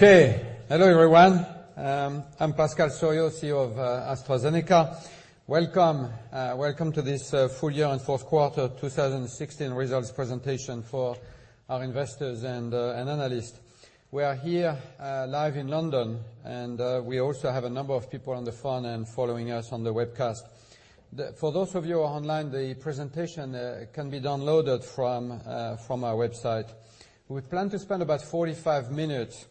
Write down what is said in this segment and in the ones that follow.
Hello, everyone. I'm Pascal Soriot, CEO of AstraZeneca. Welcome to this full year and fourth quarter 2016 results presentation for our investors and analysts. We are here live in London, and we also have a number of people on the phone and following us on the webcast. For those of you online, the presentation can be downloaded from our website. We plan to spend about 45 minutes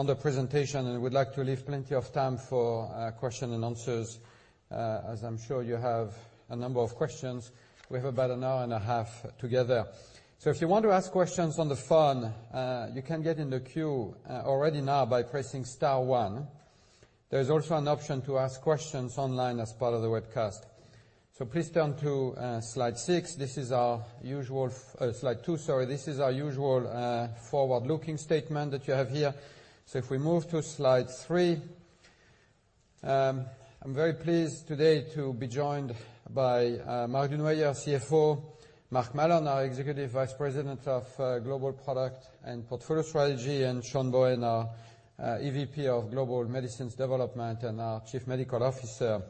on the presentation, and we'd like to leave plenty of time for question and answers, as I'm sure you have a number of questions. We have about an hour and a half together. If you want to ask questions on the phone, you can get in the queue already now by pressing star one. There's also an option to ask questions online as part of the webcast. Please turn to slide six. Slide two, sorry. This is our usual forward-looking statement that you have here. If we move to slide three, I'm very pleased today to be joined by Marc Dunoyer, CFO, Mark Mallon, our Executive Vice President of Global Product and Portfolio Strategy, and Sean Bohen, our EVP of Global Medicines Development and our Chief Medical Officer.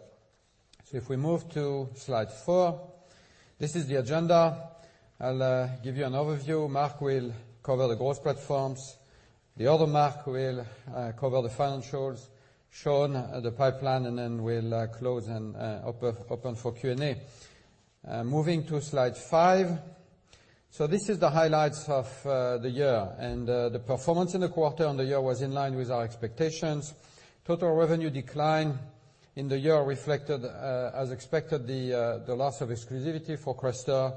If we move to slide four, this is the agenda. I'll give you an overview. Marc will cover the growth platforms. The other Marc will cover the financials. Sean, the pipeline, and then we'll close and open for Q&A. Moving to slide five. This is the highlights of the year. The performance in the quarter on the year was in line with our expectations. Total revenue decline in the year reflected as expected, the loss of exclusivity for CRESTOR,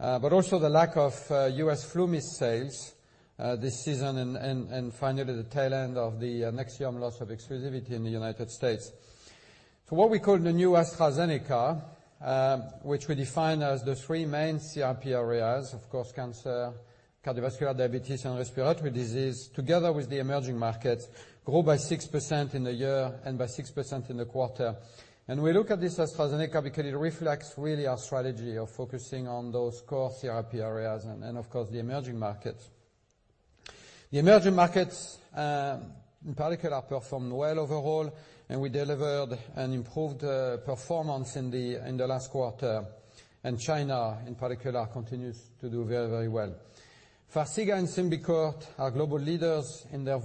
but also the lack of U.S. FluMist sales this season, and finally, the tail end of the NEXIUM loss of exclusivity in the United States. What we call the new AstraZeneca, which we define as the three main CRP areas, of course, cancer, cardiovascular, diabetes and respiratory disease, together with the emerging markets, grow by 6% in the year and by 6% in the quarter. We look at this AstraZeneca because it reflects really our strategy of focusing on those core CRP areas and of course, the emerging markets. The emerging markets, in particular, performed well overall, and we delivered an improved performance in the last quarter. China, in particular, continues to do very well. FARXIGA and SYMBICORT are global leaders in their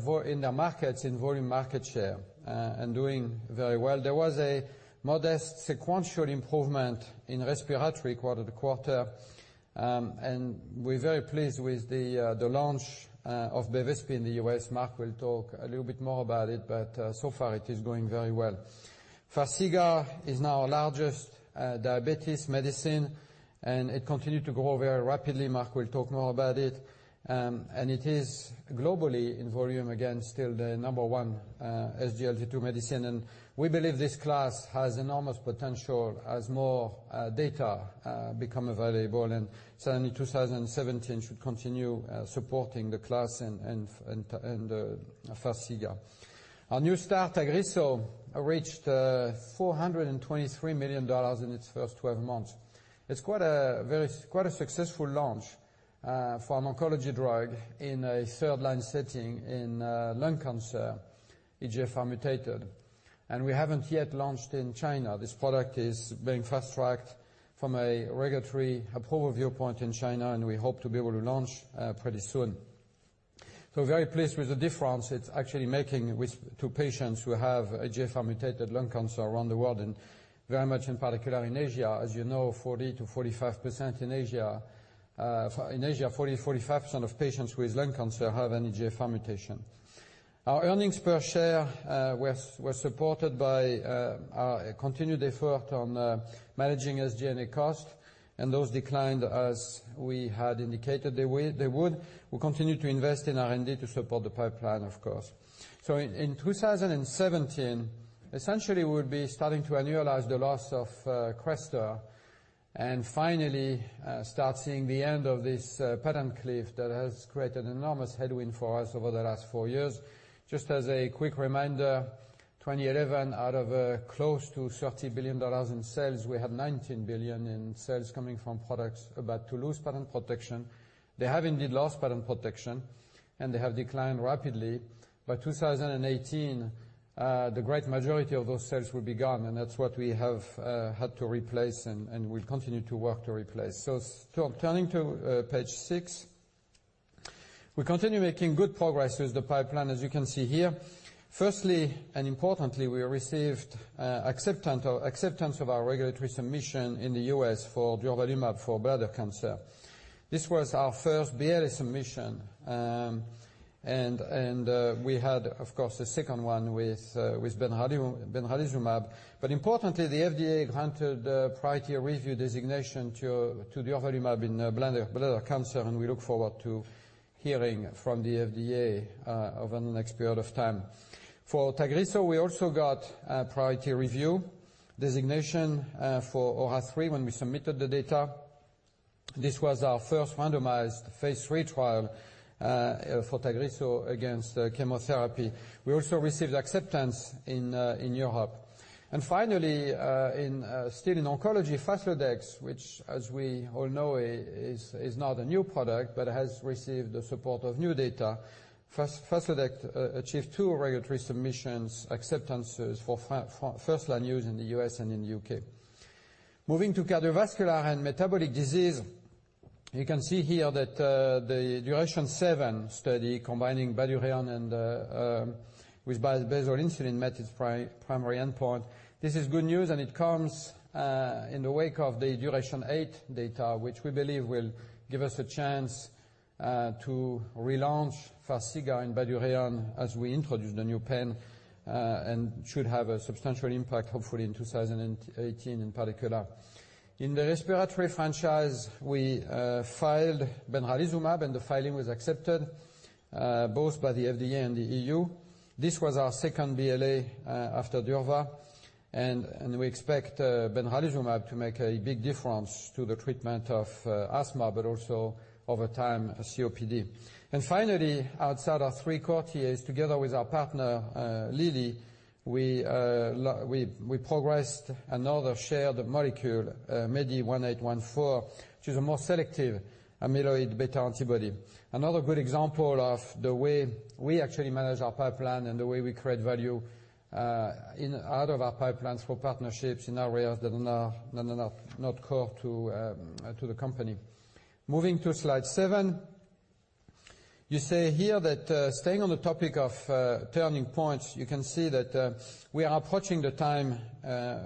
markets in volume market share and doing very well. There was a modest sequential improvement in respiratory quarter to quarter. We're very pleased with the launch of BEVESPI in the U.S. Marc will talk a little bit more about it, but so far it is going very well. FARXIGA is now our largest diabetes medicine, and it continued to grow very rapidly. Marc will talk more about it. It is globally in volume, again, still the number one SGLT2 medicine, and we believe this class has enormous potential as more data become available, and certainly 2017 should continue supporting the class and FARXIGA. Our new start, TAGRISSO, reached $423 million in its first 12 months. It's quite a successful launch for an oncology drug in a third line setting in lung cancer, EGFR mutated. We haven't yet launched in China. This product is being fast-tracked from a regulatory approval viewpoint in China, and we hope to be able to launch pretty soon. Very pleased with the difference it's actually making to patients who have EGFR mutated lung cancer around the world, and very much in particular in Asia. As you know, 40%-45% in Asia. In Asia, 40%-45% of patients with lung cancer have an EGFR mutation. Our earnings per share were supported by our continued effort on managing SG&A costs, those declined as we had indicated they would. We'll continue to invest in R&D to support the pipeline, of course. In 2017, essentially, we'll be starting to annualize the loss of CRESTOR and finally start seeing the end of this patent cliff that has created enormous headwind for us over the last four years. Just as a quick reminder, 2011, out of close to GBP 30 billion in sales, we had 19 billion in sales coming from products about to lose patent protection. They have indeed lost patent protection, they have declined rapidly. By 2018, the great majority of those sales will be gone, that's what we have had to replace and we'll continue to work to replace. Turning to page six, we continue making good progress with the pipeline, as you can see here. Firstly, importantly, we received acceptance of our regulatory submission in the U.S. for durvalumab for bladder cancer. This was our first BLA submission, and we had, of course, the second one with benralizumab. Importantly, the FDA granted priority review designation to durvalumab in bladder cancer, and we look forward to hearing from the FDA over the next period of time. For TAGRISSO, we also got priority review designation for AURA3 when we submitted the data. This was our first randomized phase III trial for TAGRISSO against chemotherapy. We also received acceptance in Europe. Finally, still in oncology, FASLODEX, which as we all know, is not a new product but has received the support of new data. FASLODEX achieved two regulatory submissions, acceptances for first-line use in the U.S. and in the U.K. Moving to cardiovascular and metabolic disease, you can see here that the DURATION-7 study combining BYDUREON with basal insulin met its primary endpoint. This is good news, it comes in the wake of the DURATION-8 data, which we believe will give us a chance to relaunch FARXIGA and BYDUREON as we introduce the new pen and should have a substantial impact hopefully in 2018 in particular. In the respiratory franchise, we filed benralizumab, the filing was accepted both by the FDA and the EU. This was our second BLA after durva, we expect benralizumab to make a big difference to the treatment of asthma, but also over time, COPD. Finally, outside our three core TAs, together with our partner Lilly, we progressed another shared molecule, MEDI1814, which is a more selective amyloid beta antibody. Another good example of the way we actually manage our pipeline and the way we create value out of our pipelines for partnerships in areas that are not core to the company. Moving to slide seven. You see here that staying on the topic of turning points, you can see that we are approaching the time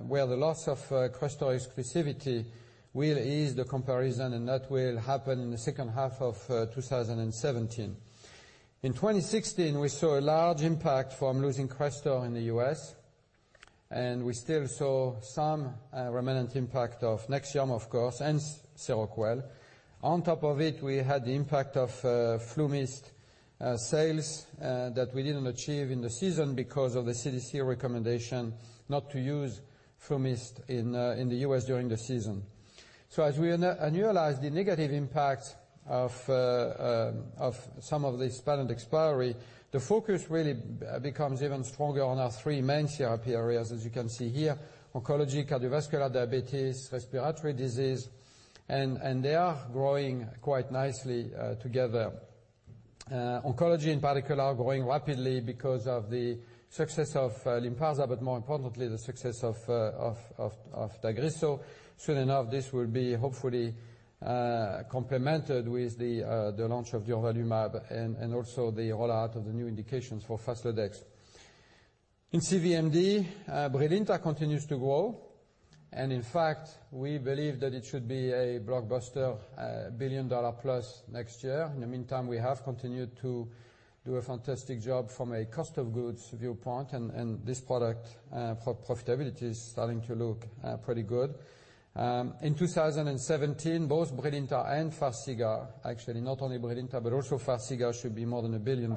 where the loss of CRESTOR exclusivity will ease the comparison, that will happen in the second half of 2017. In 2016, we saw a large impact from losing CRESTOR in the U.S. and we still saw some remnant impact of NEXIUM, of course, and SEROQUEL. On top of it, we had the impact of FluMist sales that we didn't achieve in the season because of the CDC recommendation not to use FluMist in the U.S. during the season. As we annualize the negative impacts of some of this patent expiry, the focus really becomes even stronger on our three main therapy areas, as you can see here, Oncology, Cardiovascular, diabetes, Respiratory disease, and they are growing quite nicely together. Oncology in particular are growing rapidly because of the success of LYNPARZA, but more importantly, the success of TAGRISSO. Soon enough, this will be hopefully complemented with the launch of durvalumab and also the rollout of the new indications for FASLODEX. In CVMD, BRILINTA continues to grow, and in fact, we believe that it should be a blockbuster, a $1 billion-plus next year. In the meantime, we have continued to do a fantastic job from a cost of goods viewpoint and this product profitability is starting to look pretty good. In 2017, both BRILINTA and FARXIGA, actually not only BRILINTA but also FARXIGA should be more than $1 billion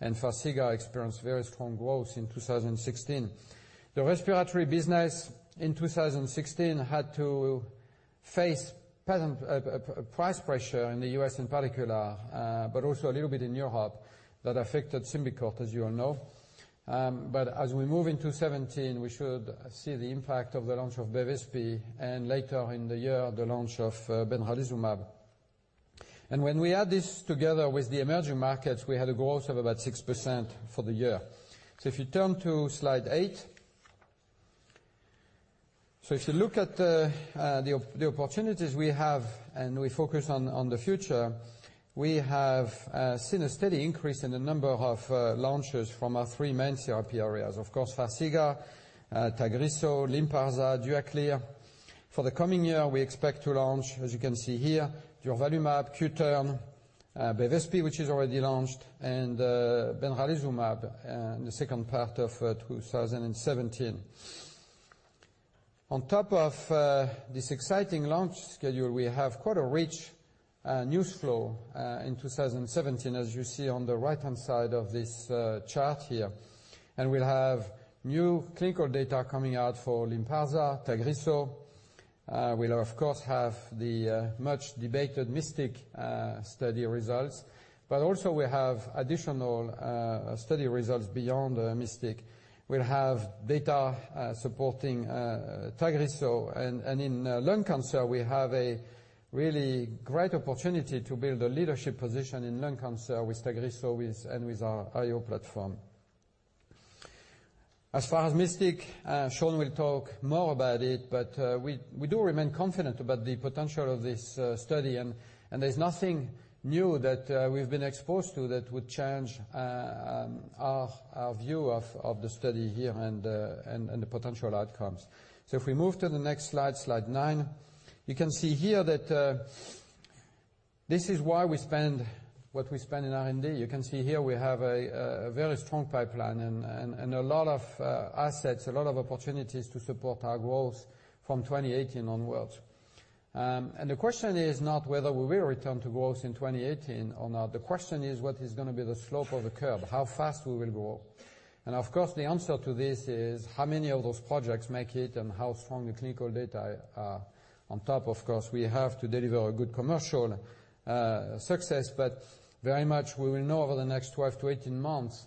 and FARXIGA experienced very strong growth in 2016. The Respiratory business in 2016 had to face price pressure in the U.S. in particular, but also a little bit in Europe that affected SYMBICORT, as you all know. As we move into 2017, we should see the impact of the launch of Bevespi and later in the year, the launch of benralizumab. When we add this together with the emerging markets, we had a growth of about 6% for the year. If you turn to slide eight. If you look at the opportunities we have and we focus on the future, we have seen a steady increase in the number of launches from our three main therapy areas. Of course, FARXIGA, TAGRISSO, LYNPARZA, Duaklir. For the coming year, we expect to launch, as you can see here, durvalumab, QTERN, Bevespi, which is already launched, and benralizumab in the second part of 2017. On top of this exciting launch schedule, we have quite a rich news flow in 2017, as you see on the right-hand side of this chart here. We'll have new clinical data coming out for LYNPARZA, TAGRISSO. We'll of course have the much-debated MYSTIC study results, but also we have additional study results beyond MYSTIC. We'll have data supporting TAGRISSO and in lung cancer, we have a really great opportunity to build a leadership position in lung cancer with TAGRISSO and with our IO platform. As far as MYSTIC, Sean will talk more about it, but we do remain confident about the potential of this study and there's nothing new that we've been exposed to that would change our view of the study here and the potential outcomes. If we move to the next slide nine, you can see here that this is why we spend what we spend in R&D. You can see here we have a very strong pipeline and a lot of assets, a lot of opportunities to support our growth from 2018 onwards. The question is not whether we will return to growth in 2018 or not. What is going to be the slope of the curve, how fast we will grow. Of course, the answer to this is how many of those projects make it and how strong the clinical data are. On top, of course, we have to deliver a good commercial success. Very much we will know over the next 12 to 18 months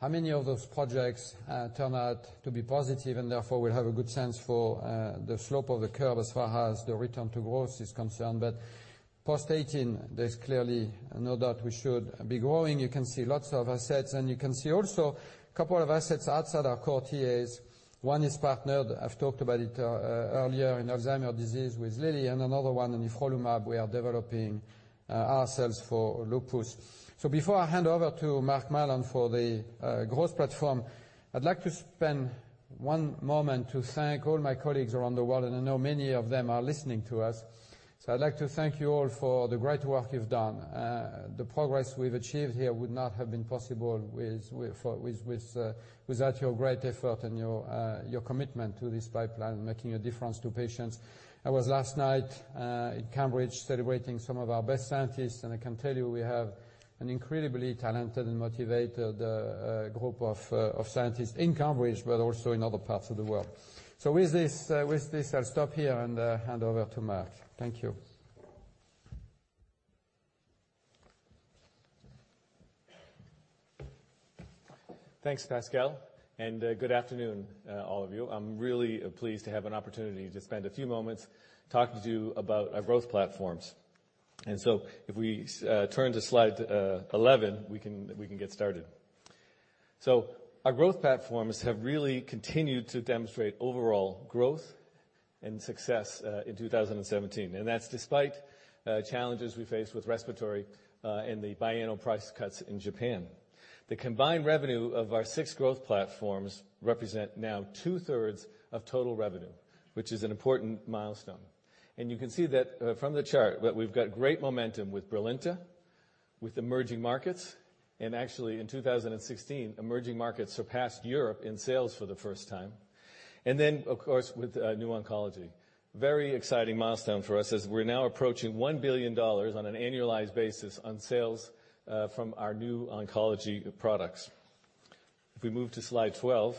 how many of those projects turn out to be positive, and therefore we'll have a good sense for the slope of the curve as far as the return to growth is concerned. Post 2018, there's clearly no doubt we should be growing. You can see lots of assets and you can see also a couple of assets outside our core TAs. One is partnered, I've talked about it earlier, in Alzheimer's disease with Lilly and another one in anifrolumab we are developing ourselves for lupus. Before I hand over to Mark Mallon for the growth platform, I'd like to spend one moment to thank all my colleagues around the world, and I know many of them are listening to us. I'd like to thank you all for the great work you've done. The progress we've achieved here would not have been possible without your great effort and your commitment to this pipeline and making a difference to patients. I was last night in Cambridge celebrating some of our best scientists, and I can tell you we have an incredibly talented and motivated group of scientists in Cambridge, but also in other parts of the world. With this, I'll stop here and hand over to Mark. Thank you. Thanks, Pascal. Good afternoon all of you. I'm really pleased to have an opportunity to spend a few moments talking to you about our growth platforms. If we turn to slide 11, we can get started. Our growth platforms have really continued to demonstrate overall growth and success in 2017, and that's despite challenges we faced with respiratory and the biannual price cuts in Japan. The combined revenue of our six growth platforms represent now two-thirds of total revenue, which is an important milestone. You can see that from the chart that we've got great momentum with BRILINTA, with emerging markets, and actually in 2016, emerging markets surpassed Europe in sales for the first time. Of course with new oncology. Very exciting milestone for us as we're now approaching GBP 1 billion on an annualized basis on sales from our new oncology products. If we move to slide 12,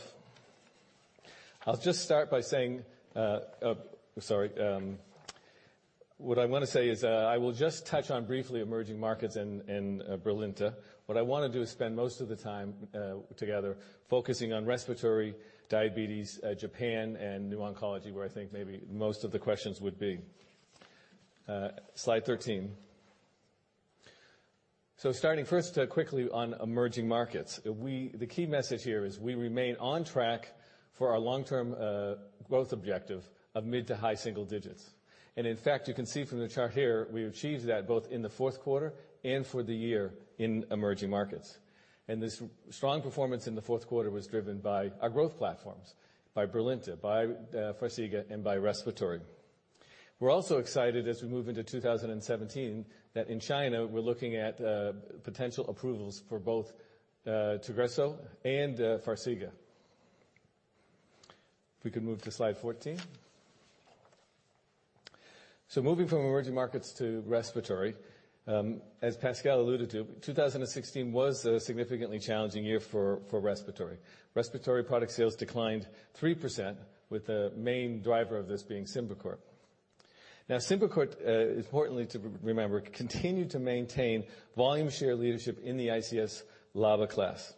what I want to say is I will just touch on briefly emerging markets and BRILINTA. What I want to do is spend most of the time together focusing on respiratory, diabetes, Japan, and new oncology, where I think maybe most of the questions would be. Slide 13. Starting first quickly on emerging markets. The key message here is we remain on track for our long-term growth objective of mid to high single digits. In fact, you can see from the chart here, we achieved that both in the fourth quarter and for the year in emerging markets. This strong performance in the fourth quarter was driven by our growth platforms, by BRILINTA, by FARXIGA, and by respiratory. We're also excited as we move into 2017 that in China we're looking at potential approvals for both TAGRISSO and FARXIGA. If we could move to slide 14. Moving from emerging markets to respiratory, as Pascal alluded to, 2016 was a significantly challenging year for respiratory. Respiratory product sales declined 3% with the main driver of this being SYMBICORT. SYMBICORT, importantly to remember, continued to maintain volume share leadership in the ICS/LABA class.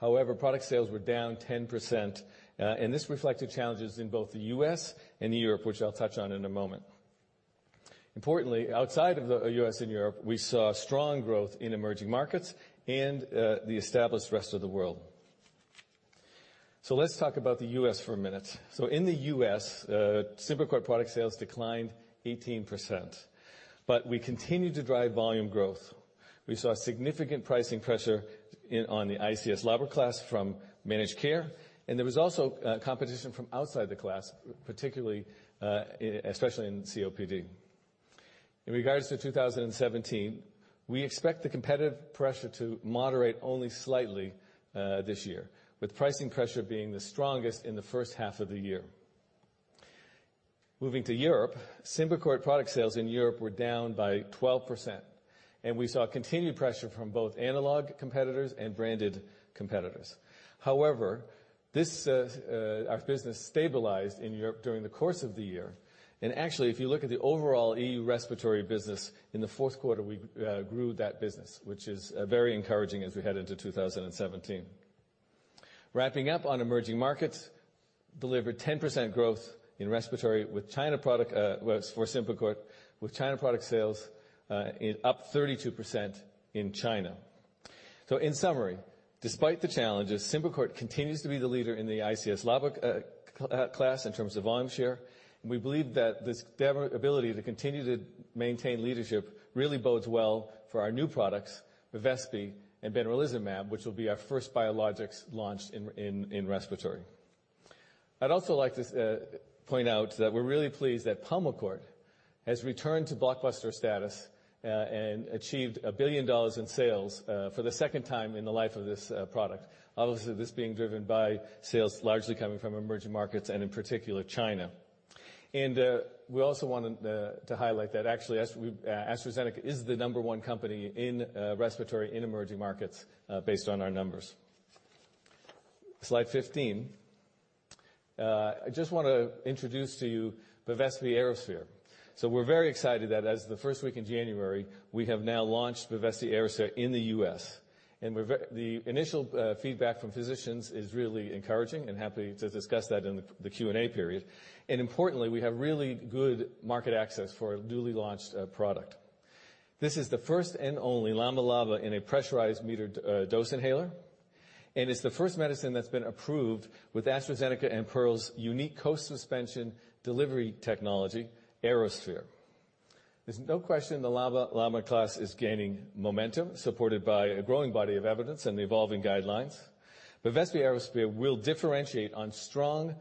Product sales were down 10%, and this reflected challenges in both the U.S. and Europe, which I'll touch on in a moment. Outside of the U.S. and Europe, we saw strong growth in emerging markets and the established rest of the world. Let's talk about the U.S. for a minute. In the U.S., SYMBICORT product sales declined 18%, but we continued to drive volume growth. We saw significant pricing pressure on the ICS/LABA class from managed care, and there was also competition from outside the class, especially in COPD. In regards to 2017, we expect the competitive pressure to moderate only slightly this year with pricing pressure being the strongest in the first half of the year. Moving to Europe, SYMBICORT product sales in Europe were down by 12% and we saw continued pressure from both analog competitors and branded competitors. Our business stabilized in Europe during the course of the year, and actually if you look at the overall EU respiratory business, in the fourth quarter we grew that business, which is very encouraging as we head into 2017. Wrapping up on emerging markets, delivered 10% growth in respiratory for SYMBICORT with China product sales up 32% in China. In summary, despite the challenges, SYMBICORT continues to be the leader in the ICS/LABA class in terms of volume share, and we believe that this ability to continue to maintain leadership really bodes well for our new products, Bevespi and benralizumab, which will be our first biologics launch in respiratory. I'd also like to point out that we're really pleased that Pulmicort has returned to blockbuster status, and achieved $1 billion in sales for the second time in the life of this product. Obviously, this being driven by sales largely coming from emerging markets and in particular China. We also wanted to highlight that actually AstraZeneca is the number one company in respiratory in emerging markets based on our numbers. Slide 15. I just want to introduce to you Bevespi Aerosphere. We're very excited that as of the first week in January, we have now launched Bevespi Aerosphere in the U.S., and the initial feedback from physicians is really encouraging, and happy to discuss that in the Q&A period. Importantly, we have really good market access for a newly launched product. This is the first and only LABA/LAMA in a pressurized metered dose inhaler, and it's the first medicine that's been approved with AstraZeneca and Pearl Therapeutics' unique co-suspension delivery technology, Aerosphere. There's no question the LAMA class is gaining momentum, supported by a growing body of evidence and evolving guidelines. Bevespi Aerosphere will differentiate on strong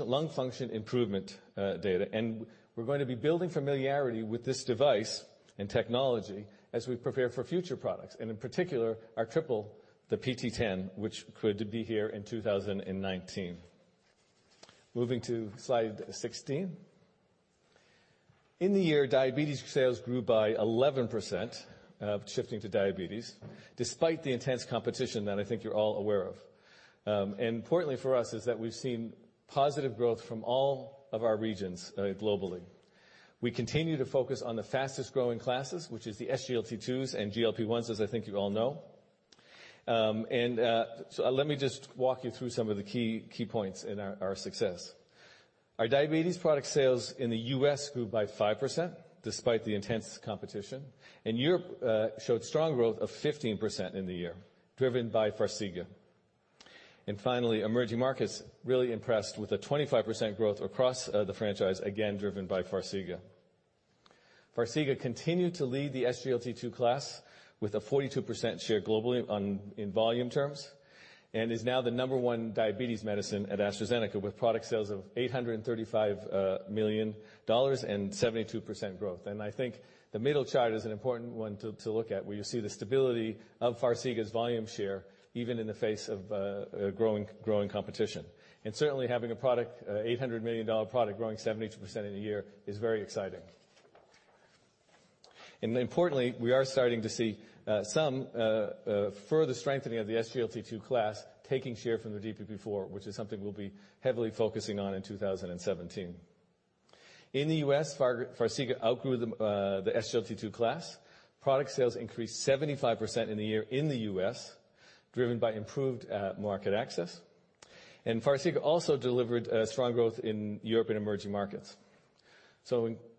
lung function improvement data, and we're going to be building familiarity with this device and technology as we prepare for future products, and in particular, our triple, the PT010, which could be here in 2019. Moving to slide 16. In the year, diabetes sales grew by 11%, shifting to diabetes, despite the intense competition that I think you're all aware of. Importantly for us is that we've seen positive growth from all of our regions globally. We continue to focus on the fastest-growing classes, which is the SGLT2s and GLP-1s, as I think you all know. Let me just walk you through some of the key points in our success. Our diabetes product sales in the U.S. grew by 5%, despite the intense competition, and Europe showed strong growth of 15% in the year, driven by FARXIGA. Finally, emerging markets really impressed with a 25% growth across the franchise, again, driven by FARXIGA. FARXIGA continued to lead the SGLT2 class with a 42% share globally in volume terms and is now the number one diabetes medicine at AstraZeneca with product sales of $835 million and 72% growth. I think the middle chart is an important one to look at, where you see the stability of FARXIGA's volume share even in the face of growing competition. Certainly having an $800 million product growing 72% in a year is very exciting. Importantly, we are starting to see some further strengthening of the SGLT2 class taking share from the DPP4, which is something we'll be heavily focusing on in 2017. In the U.S., FARXIGA outgrew the SGLT2 class. Product sales increased 75% in the year in the U.S., driven by improved market access. FARXIGA also delivered strong growth in Europe and emerging markets.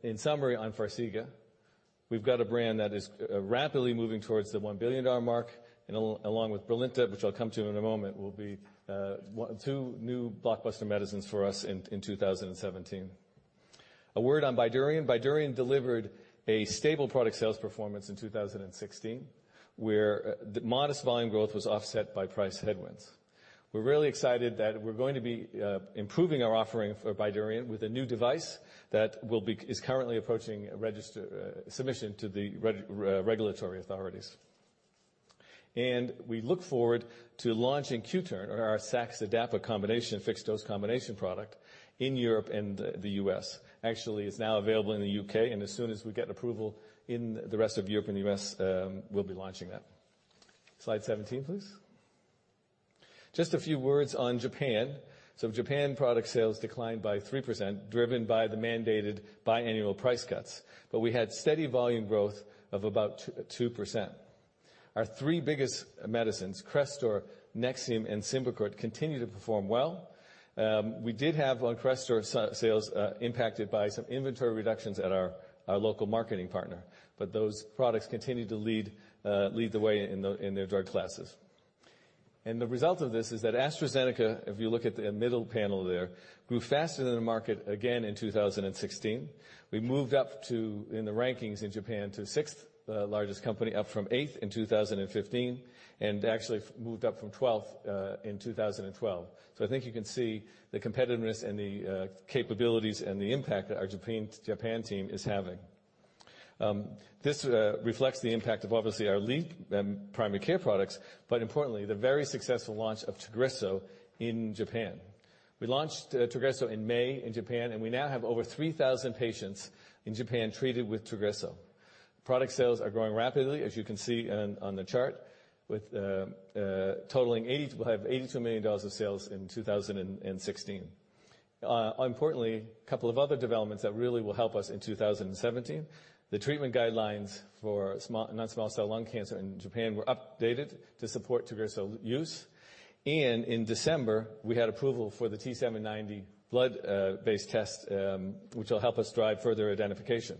In summary on FARXIGA, we've got a brand that is rapidly moving towards the $1 billion mark, and along with BRILINTA, which I'll come to in a moment, will be two new blockbuster medicines for us in 2017. A word on BYDUREON. BYDUREON delivered a stable product sales performance in 2016, where modest volume growth was offset by price headwinds. We're really excited that we're going to be improving our offering for BYDUREON with a new device that is currently approaching submission to the regulatory authorities. We look forward to launching QTERN, or our saxa/dapa combination, fixed dose combination product, in Europe and the U.S. Actually, it's now available in the U.K., and as soon as we get approval in the rest of Europe and the U.S., we'll be launching that. Slide 17, please. Just a few words on Japan. Japan product sales declined by 3%, driven by the mandated biannual price cuts. We had steady volume growth of about 2%. Our three biggest medicines, CRESTOR, NEXIUM, and SYMBICORT, continue to perform well. We did have on CRESTOR sales impacted by some inventory reductions at our local marketing partner. Those products continue to lead the way in their drug classes. The result of this is that AstraZeneca, if you look at the middle panel there, grew faster than the market again in 2016. We moved up in the rankings in Japan to sixth-largest company, up from eighth in 2015, and actually moved up from 12th in 2012. I think you can see the competitiveness and the capabilities and the impact that our Japan team is having. This reflects the impact of obviously our lead primary care products, but importantly, the very successful launch of TAGRISSO in Japan. We launched TAGRISSO in May in Japan, and we now have over 3,000 patients in Japan treated with TAGRISSO. Product sales are growing rapidly, as you can see on the chart, totaling $82 million of sales in 2016. Importantly, a couple of other developments that really will help us in 2017, the treatment guidelines for non-small cell lung cancer in Japan were updated to support TAGRISSO use. In December, we had approval for the T790 blood-based test, which will help us drive further identification.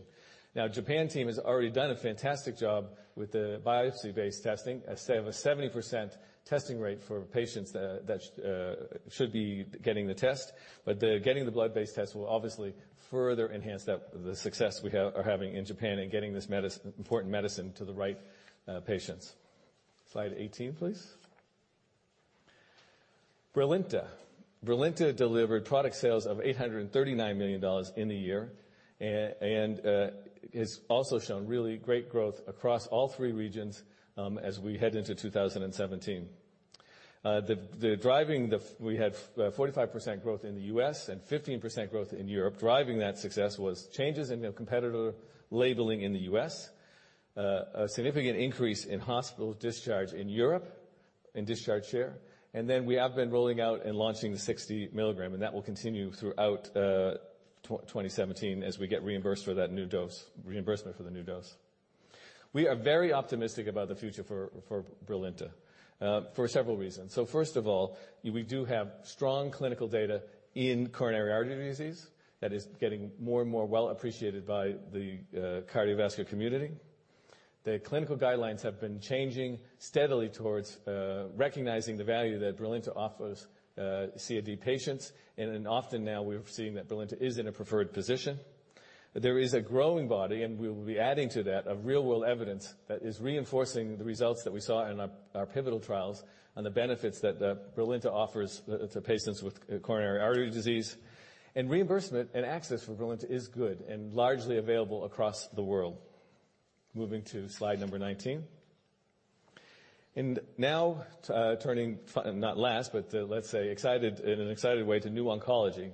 Japan team has already done a fantastic job with the biopsy-based testing, as they have a 70% testing rate for patients that should be getting the test. Getting the blood-based test will obviously further enhance the success we are having in Japan in getting this important medicine to the right patients. Slide 18, please. BRILINTA. BRILINTA delivered product sales of $839 million in the year and has also shown really great growth across all three regions as we head into 2017. We had 45% growth in the U.S. and 15% growth in Europe. Driving that success was changes in competitive labeling in the U.S., a significant increase in hospital discharge in Europe, and discharge share. Then we have been rolling out and launching the 60 milligram, and that will continue throughout 2017 as we get reimbursed for that new dose, reimbursement for the new dose. We are very optimistic about the future for BRILINTA for several reasons. First of all, we do have strong clinical data in coronary artery disease that is getting more and more well appreciated by the cardiovascular community. The clinical guidelines have been changing steadily towards recognizing the value that BRILINTA offers CAD patients. Often now we're seeing that BRILINTA is in a preferred position. There is a growing body, and we will be adding to that, of real-world evidence that is reinforcing the results that we saw in our pivotal trials and the benefits that BRILINTA offers to patients with coronary artery disease. Reimbursement and access for BRILINTA is good and largely available across the world. Moving to slide number 19. Now turning, not last, but let's say in an excited way to new oncology.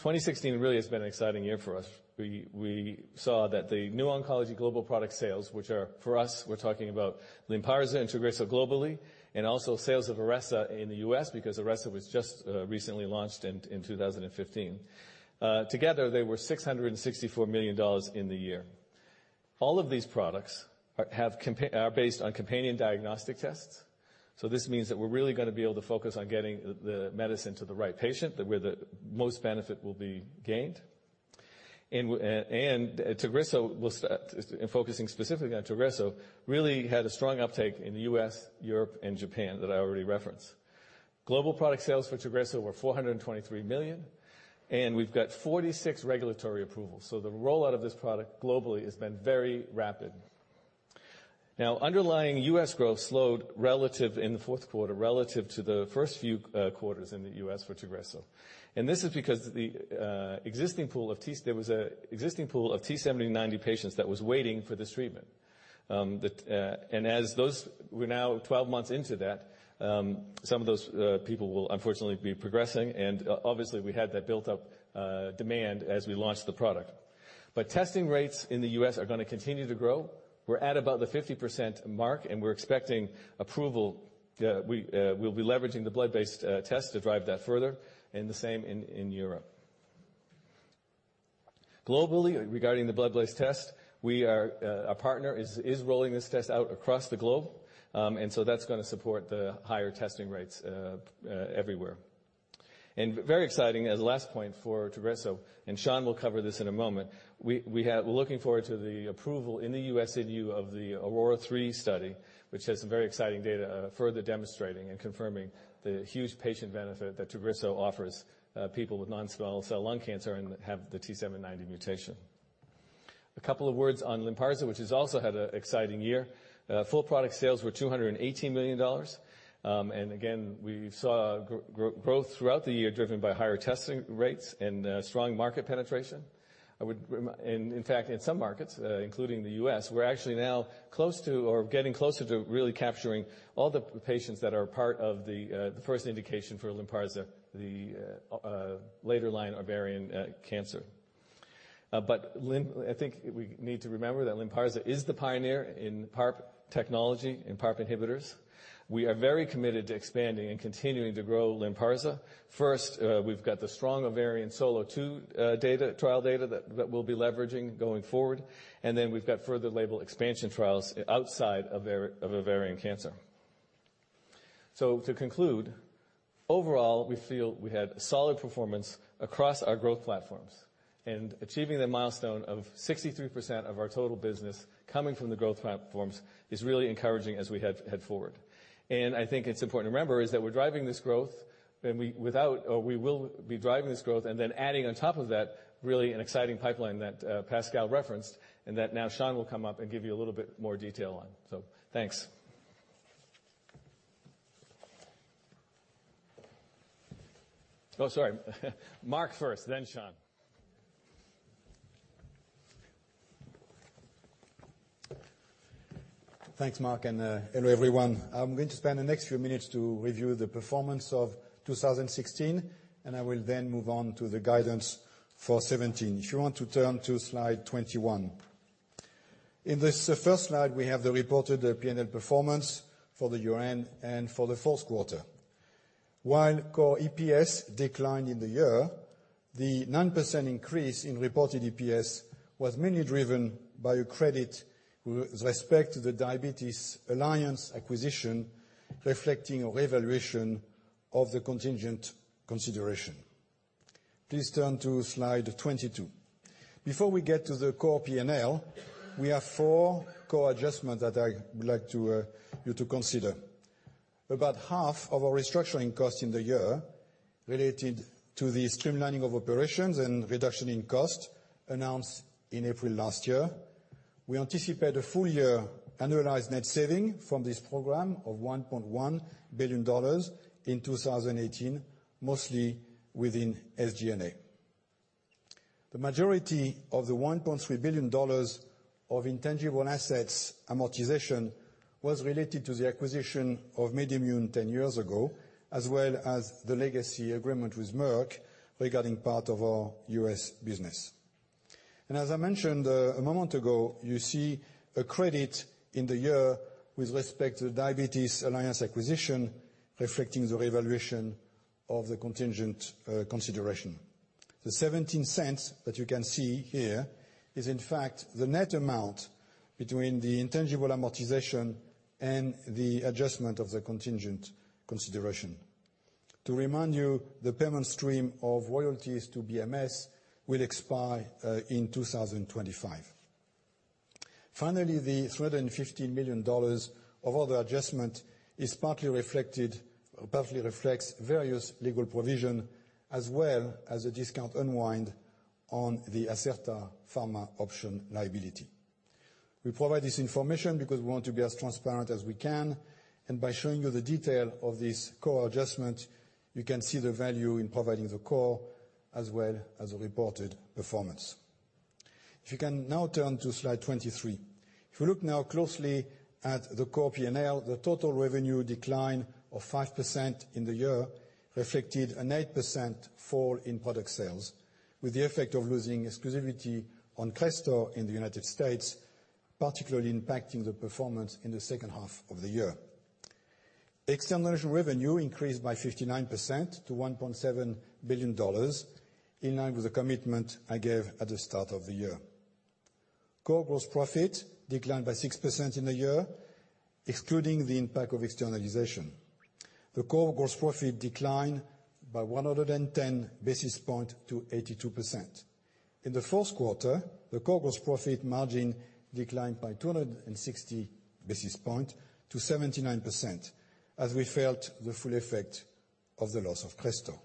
2016 really has been an exciting year for us. We saw that the new oncology global product sales, which are for us, we're talking about LYNPARZA and TAGRISSO globally, and also sales of IRESSA in the U.S. because IRESSA was just recently launched in 2015. Together, they were $664 million in the year. All of these products are based on companion diagnostic tests. This means that we're really going to be able to focus on getting the medicine to the right patient, where the most benefit will be gained. Focusing specifically on TAGRISSO, really had a strong uptake in the U.S., Europe, and Japan that I already referenced. Global product sales for TAGRISSO were $423 million, and we've got 46 regulatory approvals. The rollout of this product globally has been very rapid. Underlying U.S. growth slowed in the fourth quarter relative to the first few quarters in the U.S. for TAGRISSO. This is because there was an existing pool of T790 patients that was waiting for this treatment. As those, we are now 12 months into that, some of those people will unfortunately be progressing, and obviously, we had that built-up demand as we launched the product. Testing rates in the U.S. are going to continue to grow. We are at about the 50% mark, and we are expecting approval. We will be leveraging the blood-based test to drive that further and the same in Europe. Globally, regarding the blood-based test, our partner is rolling this test out across the globe. That is going to support the higher testing rates everywhere. Very exciting as the last point for TAGRISSO, Sean will cover this in a moment, we are looking forward to the approval in the U.S. of the AURA3 study, which has some very exciting data further demonstrating and confirming the huge patient benefit that TAGRISSO offers people with non-small cell lung cancer and have the T790 mutation. A couple of words on LYNPARZA, which has also had an exciting year. Full product sales were $218 million. Again, we saw growth throughout the year driven by higher testing rates and strong market penetration. In fact, in some markets, including the U.S., we are actually now close to or getting closer to really capturing all the patients that are part of the first indication for LYNPARZA, the later line ovarian cancer. I think we need to remember that LYNPARZA is the pioneer in PARP technology, in PARP inhibitors. We are very committed to expanding and continuing to grow LYNPARZA. First, we have got the strong ovarian SOLO2 trial data that we will be leveraging going forward, and then we have got further label expansion trials outside of ovarian cancer. To conclude, overall, we feel we had solid performance across our growth platforms, and achieving the milestone of 63% of our total business coming from the growth platforms is really encouraging as we head forward. I think it is important to remember is that we are driving this growth, and we will be driving this growth and then adding on top of that, really an exciting pipeline that Pascal referenced and that now Sean will come up and give you a little bit more detail on. Thanks. Oh, sorry. Marc first, then Sean. Thanks, Mark, and hello, everyone. I am going to spend the next few minutes to review the performance of 2016, and I will then move on to the guidance for 2017. If you want to turn to slide 21. In this first slide, we have the reported P&L performance for the year end and for the fourth quarter. While core EPS declined in the year, the 9% increase in reported EPS was mainly driven by a credit with respect to the Diabetes Alliance acquisition, reflecting a revaluation of the contingent consideration. Please turn to slide 22. Before we get to the core P&L, we have four core adjustments that I would like you to consider. About half of our restructuring costs in the year related to the streamlining of operations and reduction in cost announced in April last year. We anticipate a full-year annualized net saving from this program of $1.1 billion in 2018, mostly within SG&A. The majority of the $1.3 billion of intangible assets amortization was related to the acquisition of MedImmune 10 years ago, as well as the legacy agreement with Merck regarding part of our U.S. business. As I mentioned a moment ago, you see a credit in the year with respect to the Diabetes Alliance acquisition, reflecting the revaluation of the contingent consideration. The $0.17 that you can see here is in fact the net amount between the intangible amortization and the adjustment of the contingent consideration. To remind you, the payment stream of royalties to BMS will expire in 2025. Finally, the $350 million of other adjustment partly reflects various legal provision as well as a discount unwind on the Acerta Pharma option liability. We provide this information because we want to be as transparent as we can, by showing you the detail of this core adjustment, you can see the value in providing the core as well as the reported performance. If you can now turn to slide 23. If you look now closely at the core P&L, the total revenue decline of 5% in the year reflected an 8% fall in product sales, with the effect of losing exclusivity on CRESTOR in the United States, particularly impacting the performance in the second half of the year. External revenue increased by 59% to $1.7 billion, in line with the commitment I gave at the start of the year. Core gross profit declined by 6% in the year, excluding the impact of externalization. The core gross profit declined by 110 basis points to 82%. In the fourth quarter, the core gross profit margin declined by 260 basis points to 79%, as we felt the full effect of the loss of CRESTOR.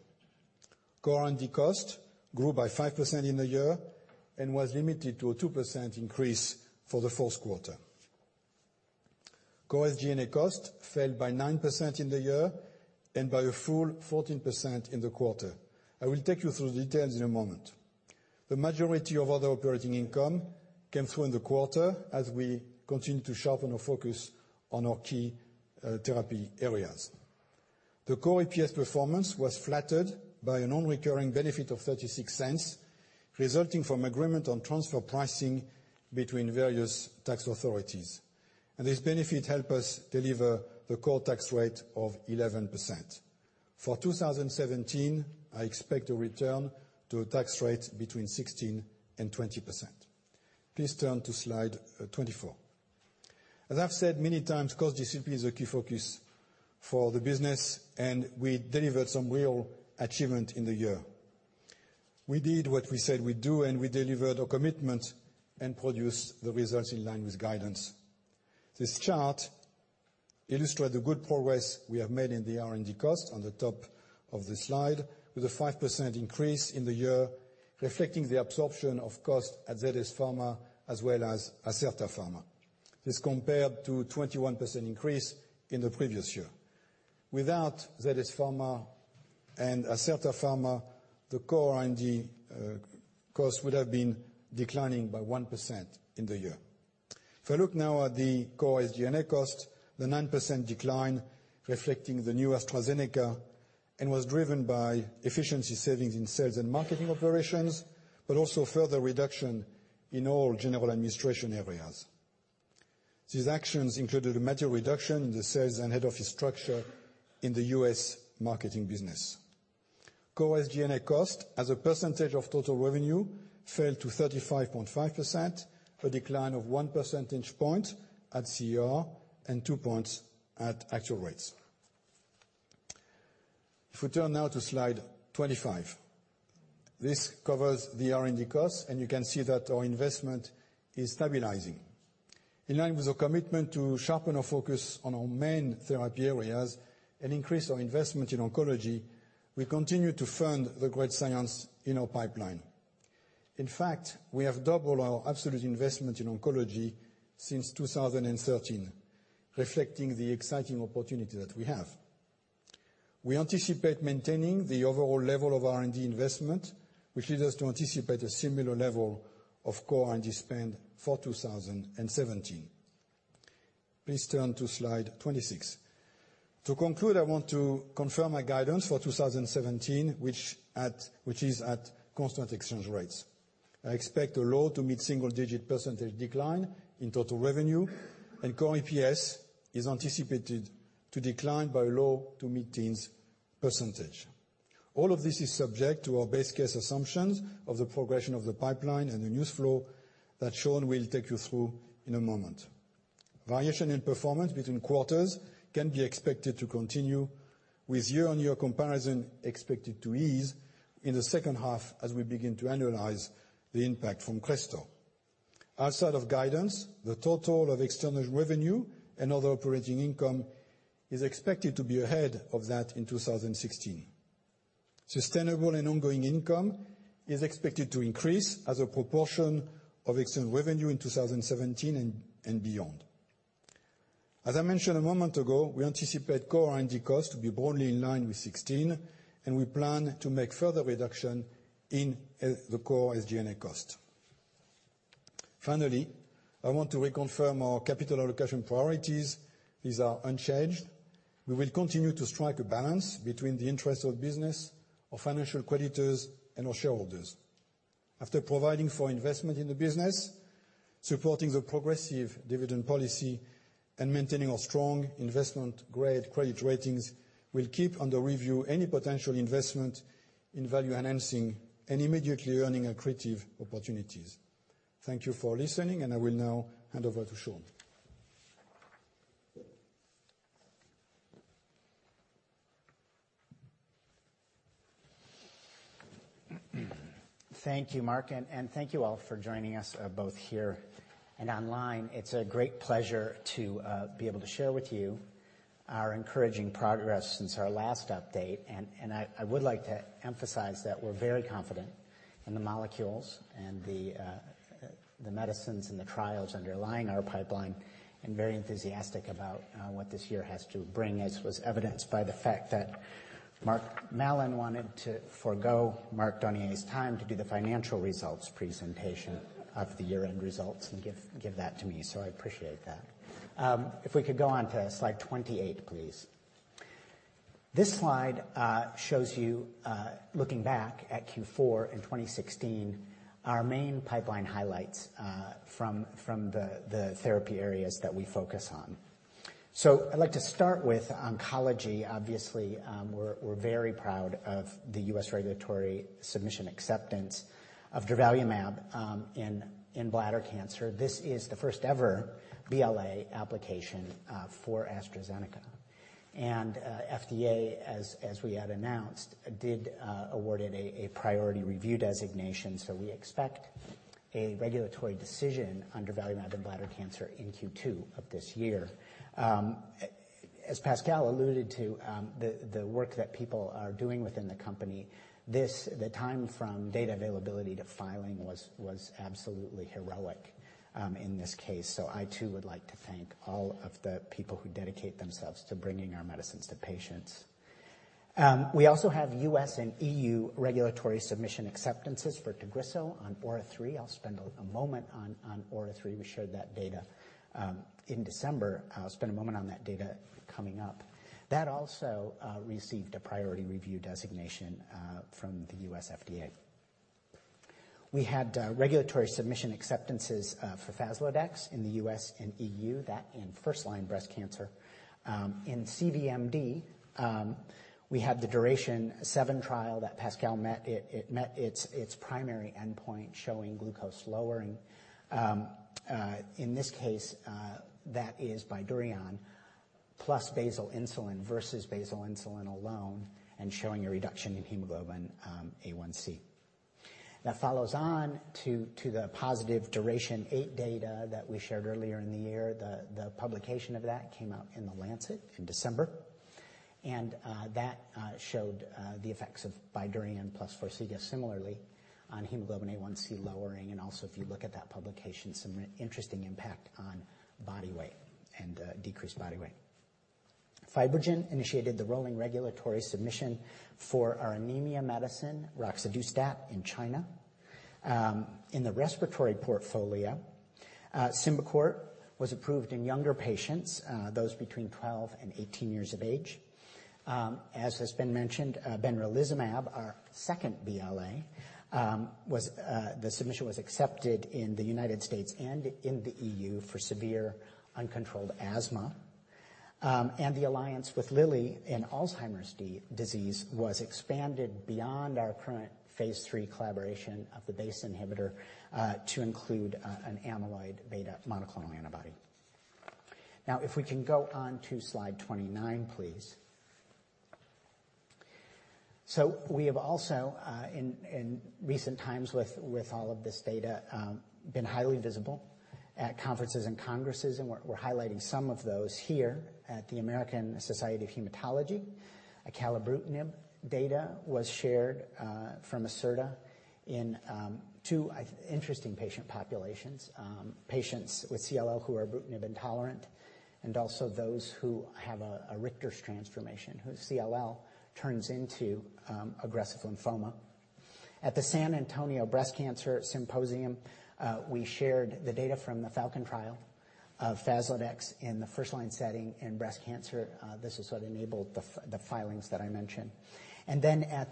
Core R&D cost grew by 5% in the year and was limited to a 2% increase for the fourth quarter. Core SG&A cost fell by 9% in the year and by a full 14% in the quarter. I will take you through the details in a moment. The majority of other operating income came through in the quarter as we continue to sharpen our focus on our key therapy areas. The core EPS performance was flattered by a non-recurring benefit of $0.36, resulting from agreement on transfer pricing between various tax authorities. This benefit help us deliver the core tax rate of 11%. For 2017, I expect a return to a tax rate between 16%-20%. Please turn to Slide 24. As I've said many times, cost discipline is a key focus for the business, and we delivered some real achievement in the year. We did what we said we'd do, and we delivered our commitment and produced the results in line with guidance. This chart illustrates the good progress we have made in the R&D cost on the top of the slide, with a 5% increase in the year, reflecting the absorption of cost at ZS Pharma, as well as Acerta Pharma. This compared to a 21% increase in the previous year. Without ZS Pharma and Acerta Pharma, the core R&D cost would have been declining by 1% in the year. I look now at the core SG&A cost, the 9% decline reflecting the new AstraZeneca, was driven by efficiency savings in sales and marketing operations, also further reduction in all general administration areas. These actions included a major reduction in the sales and head office structure in the U.S. marketing business. Core SG&A cost as a percentage of total revenue fell to 35.5%, a decline of one percentage point at CER and two points at actual rates. If we turn now to slide 25. This covers the R&D costs, you can see that our investment is stabilizing. In line with our commitment to sharpen our focus on our main therapy areas and increase our investment in oncology, we continue to fund the great science in our pipeline. In fact, we have doubled our absolute investment in oncology since 2013, reflecting the exciting opportunity that we have. We anticipate maintaining the overall level of R&D investment, which leads us to anticipate a similar level of core R&D spend for 2017. Please turn to slide 26. To conclude, I want to confirm my guidance for 2017, which is at constant exchange rates. I expect a low to mid-single-digit percentage decline in total revenue, core EPS is anticipated to decline by low to mid-teens percentage. All of this is subject to our base case assumptions of the progression of the pipeline and the news flow that Sean will take you through in a moment. Variation in performance between quarters can be expected to continue, with year-on-year comparison expected to ease in the second half as we begin to annualize the impact from CRESTOR. Outside of guidance, the total of external revenue and other operating income is expected to be ahead of that in 2016. Sustainable and ongoing income is expected to increase as a proportion of external revenue in 2017 and beyond. As I mentioned a moment ago, we anticipate core R&D costs to be broadly in line with 2016, we plan to make further reduction in the core SG&A cost. Finally, I want to reconfirm our capital allocation priorities. These are unchanged. We will continue to strike a balance between the interests of business, our financial creditors, and our shareholders. After providing for investment in the business, supporting the progressive dividend policy, and maintaining our strong investment-grade credit ratings, we'll keep under review any potential investment in value-enhancing and immediately earning accretive opportunities. Thank you for listening, I will now hand over to Sean. Thank you, Marc, thank you all for joining us both here and online. It's a great pleasure to be able to share with you our encouraging progress since our last update. I would like to emphasize that we're very confident in the molecules, and the medicines, and the trials underlying our pipeline, and very enthusiastic about what this year has to bring, as was evidenced by the fact that Mark Mallon wanted to forgo Marc Dunoyer's time to do the financial results presentation of the year-end results and give that to me. I appreciate that. If we could go on to slide 28, please. This slide shows you, looking back at Q4 in 2016, our main pipeline highlights from the therapy areas that we focus on. I would like to start with oncology. Obviously, we're very proud of the U.S. regulatory submission acceptance of durvalumab in bladder cancer. This is the first ever BLA application for AstraZeneca. FDA, as we had announced, did award it a priority review designation, so we expect a regulatory decision on durvalumab in bladder cancer in Q2 of this year. As Pascal alluded to, the work that people are doing within the company, the time from data availability to filing was absolutely heroic in this case. I too would like to thank all of the people who dedicate themselves to bringing our medicines to patients. We also have U.S. and EU regulatory submission acceptances for TAGRISSO on AURA3. I'll spend a moment on AURA3. We showed that data in December. I'll spend a moment on that data coming up. That also received a priority review designation from the U.S. FDA. We had regulatory submission acceptances for FASLODEX in the U.S. and EU. That in first-line breast cancer. In CVMD, we had the DURATION-7 trial that Pascal met. It met its primary endpoint, showing glucose lowering. In this case, that is BYDUREON plus basal insulin versus basal insulin alone and showing a reduction in hemoglobin A1c. That follows on to the positive DURATION-8 data that we shared earlier in the year. The publication of that came out in "The Lancet" in December. That showed the effects of BYDUREON plus FARXIGA similarly on hemoglobin A1c lowering, and also if you look at that publication, some interesting impact on body weight and decreased body weight. FibroGen initiated the rolling regulatory submission for our anemia medicine, roxadustat, in China. In the respiratory portfolio, SYMBICORT was approved in younger patients, those between 12 and 18 years of age. As has been mentioned, benralizumab, our second BLA, the submission was accepted in the United States and in the EU for severe uncontrolled asthma. The alliance with Lilly in Alzheimer's disease was expanded beyond our current phase III collaboration of the BACE inhibitor to include an amyloid beta monoclonal antibody. If we can go on to slide 29, please. We have also, in recent times with all of this data, been highly visible at conferences and congresses, and we're highlighting some of those here at the American Society of Hematology. acalabrutinib data was shared from ASH in two interesting patient populations, patients with CLL who are ibrutinib intolerant and also those who have a Richter's transformation, whose CLL turns into aggressive lymphoma. At the San Antonio Breast Cancer Symposium, we shared the data from the FALCON trial of FASLODEX in the first line setting in breast cancer. This is what enabled the filings that I mentioned. At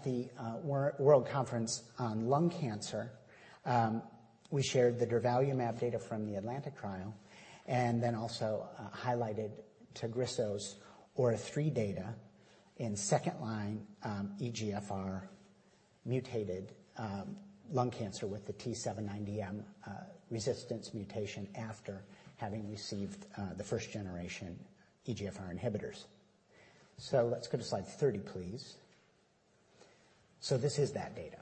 the World Conference on Lung Cancer, we shared the durvalumab data from the ATLANTIC trial also highlighted TAGRISSO's AURA3 data in second-line EGFR-mutated lung cancer with the T790M resistance mutation after having received the first generation EGFR inhibitors. Let's go to slide 30, please. This is that data.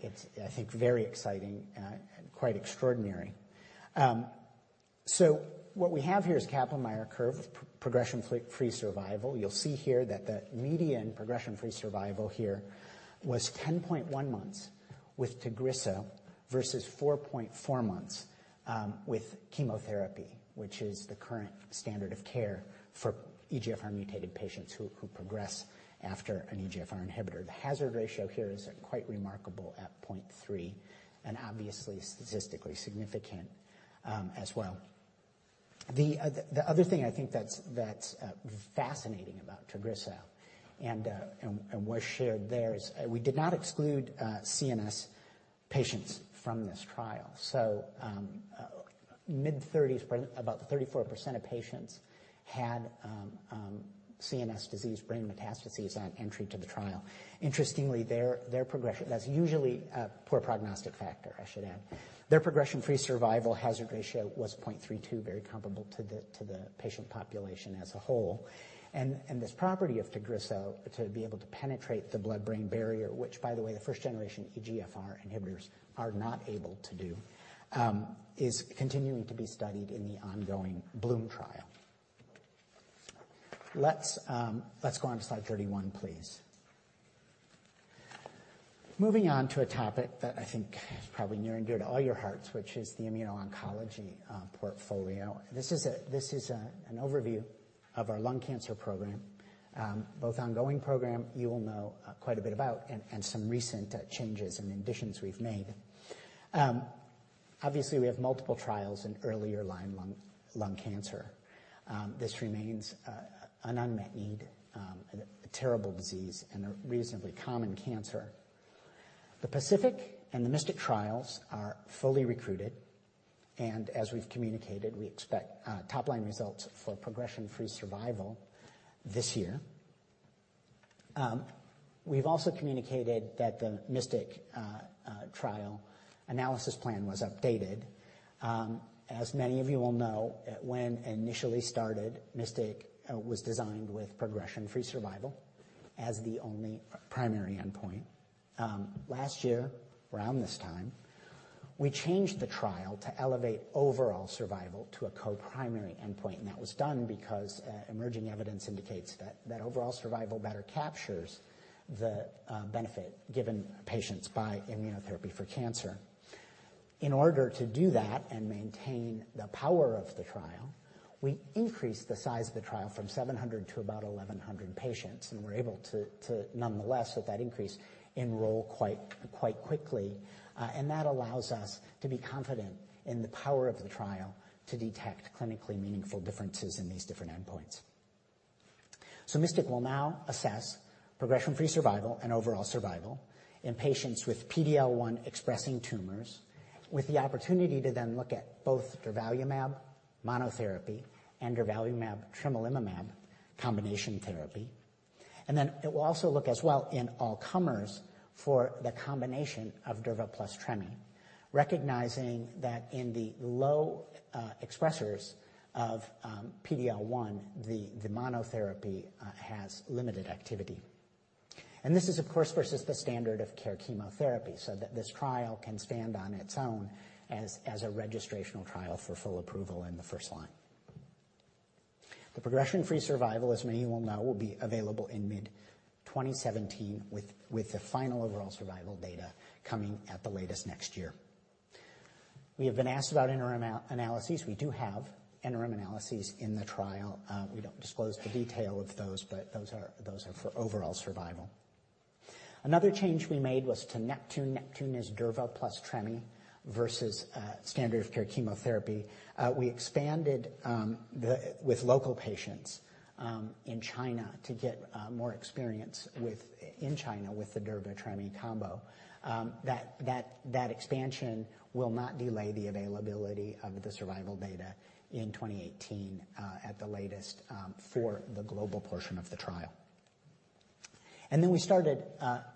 It's, I think, very exciting and quite extraordinary. What we have here is a Kaplan-Meier curve of progression-free survival. You'll see here that the median progression-free survival here was 10.1 months with TAGRISSO versus 4.4 months with chemotherapy, which is the current standard of care for EGFR-mutated patients who progress after an EGFR inhibitor. The hazard ratio here is quite remarkable at 0.3 and obviously statistically significant as well. The other thing I think that's fascinating about TAGRISSO and was shared there is we did not exclude CNS patients from this trial. Mid-30s, about 34% of patients had CNS disease brain metastases on entry to the trial. Interestingly, that's usually a poor prognostic factor, I should add. Their progression-free survival hazard ratio was 0.32, very comparable to the patient population as a whole. This property of TAGRISSO to be able to penetrate the blood-brain barrier, which, by the way, the first-generation EGFR inhibitors are not able to do, is continuing to be studied in the ongoing BLOOM trial. Let's go on to slide 31, please. Moving on to a topic that I think is probably near and dear to all your hearts, which is the immuno-oncology portfolio. This is an overview of our lung cancer program. Both ongoing program you will know quite a bit about and some recent changes and additions we've made. Obviously, we have multiple trials in earlier line lung cancer. This remains an unmet need, a terrible disease, and a reasonably common cancer. The PACIFIC and the MYSTIC trials are fully recruited. As we've communicated, we expect top-line results for progression-free survival this year. We've also communicated that the MYSTIC trial analysis plan was updated. Many of you will know, when initially started, MYSTIC was designed with progression-free survival as the only primary endpoint. Last year, around this time, we changed the trial to elevate overall survival to a co-primary endpoint, that was done because emerging evidence indicates that overall survival better captures the benefit given patients by immunotherapy for cancer. In order to do that and maintain the power of the trial, we increased the size of the trial from 700 to about 1,100 patients, and were able to nonetheless, with that increase, enroll quite quickly. That allows us to be confident in the power of the trial to detect clinically meaningful differences in these different endpoints. MYSTIC will now assess progression-free survival and overall survival in patients with PD-L1-expressing tumors with the opportunity to then look at both durvalumab monotherapy and durvalumab, tremelimumab combination therapy. Then it will also look as well in all comers for the combination of durva plus tremi, recognizing that in the low expressers of PD-L1, the monotherapy has limited activity. This is, of course, versus the standard of care chemotherapy, so that this trial can stand on its own as a registrational trial for full approval in the first line. The progression-free survival, as many will know, will be available in mid-2017 with the final overall survival data coming at the latest next year. We have been asked about interim analyses. We do have interim analyses in the trial. We don't disclose the detail of those, but those are for overall survival. Another change we made was to NEPTUNE. NEPTUNE is durva plus tremi versus standard of care chemotherapy. We expanded with local patients in China to get more experience in China with the durva/tremi combo. That expansion will not delay the availability of the survival data in 2018 at the latest for the global portion of the trial. Then we started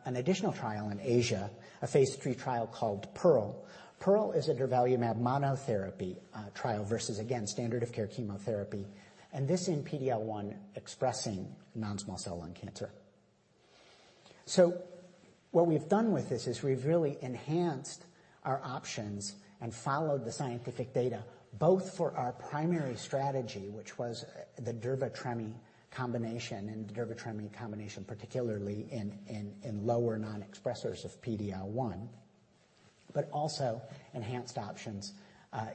an additional trial in Asia, a phase III trial called PEARL. PEARL is a durvalumab monotherapy trial versus, again, standard of care chemotherapy, and this in PD-L1 expressing non-small cell lung cancer. What we've done with this is we've really enhanced our options and followed the scientific data, both for our primary strategy, which was the durva/tremi combination and the durva/tremi combination, particularly in lower non-expressers of PD-L1. Also enhanced options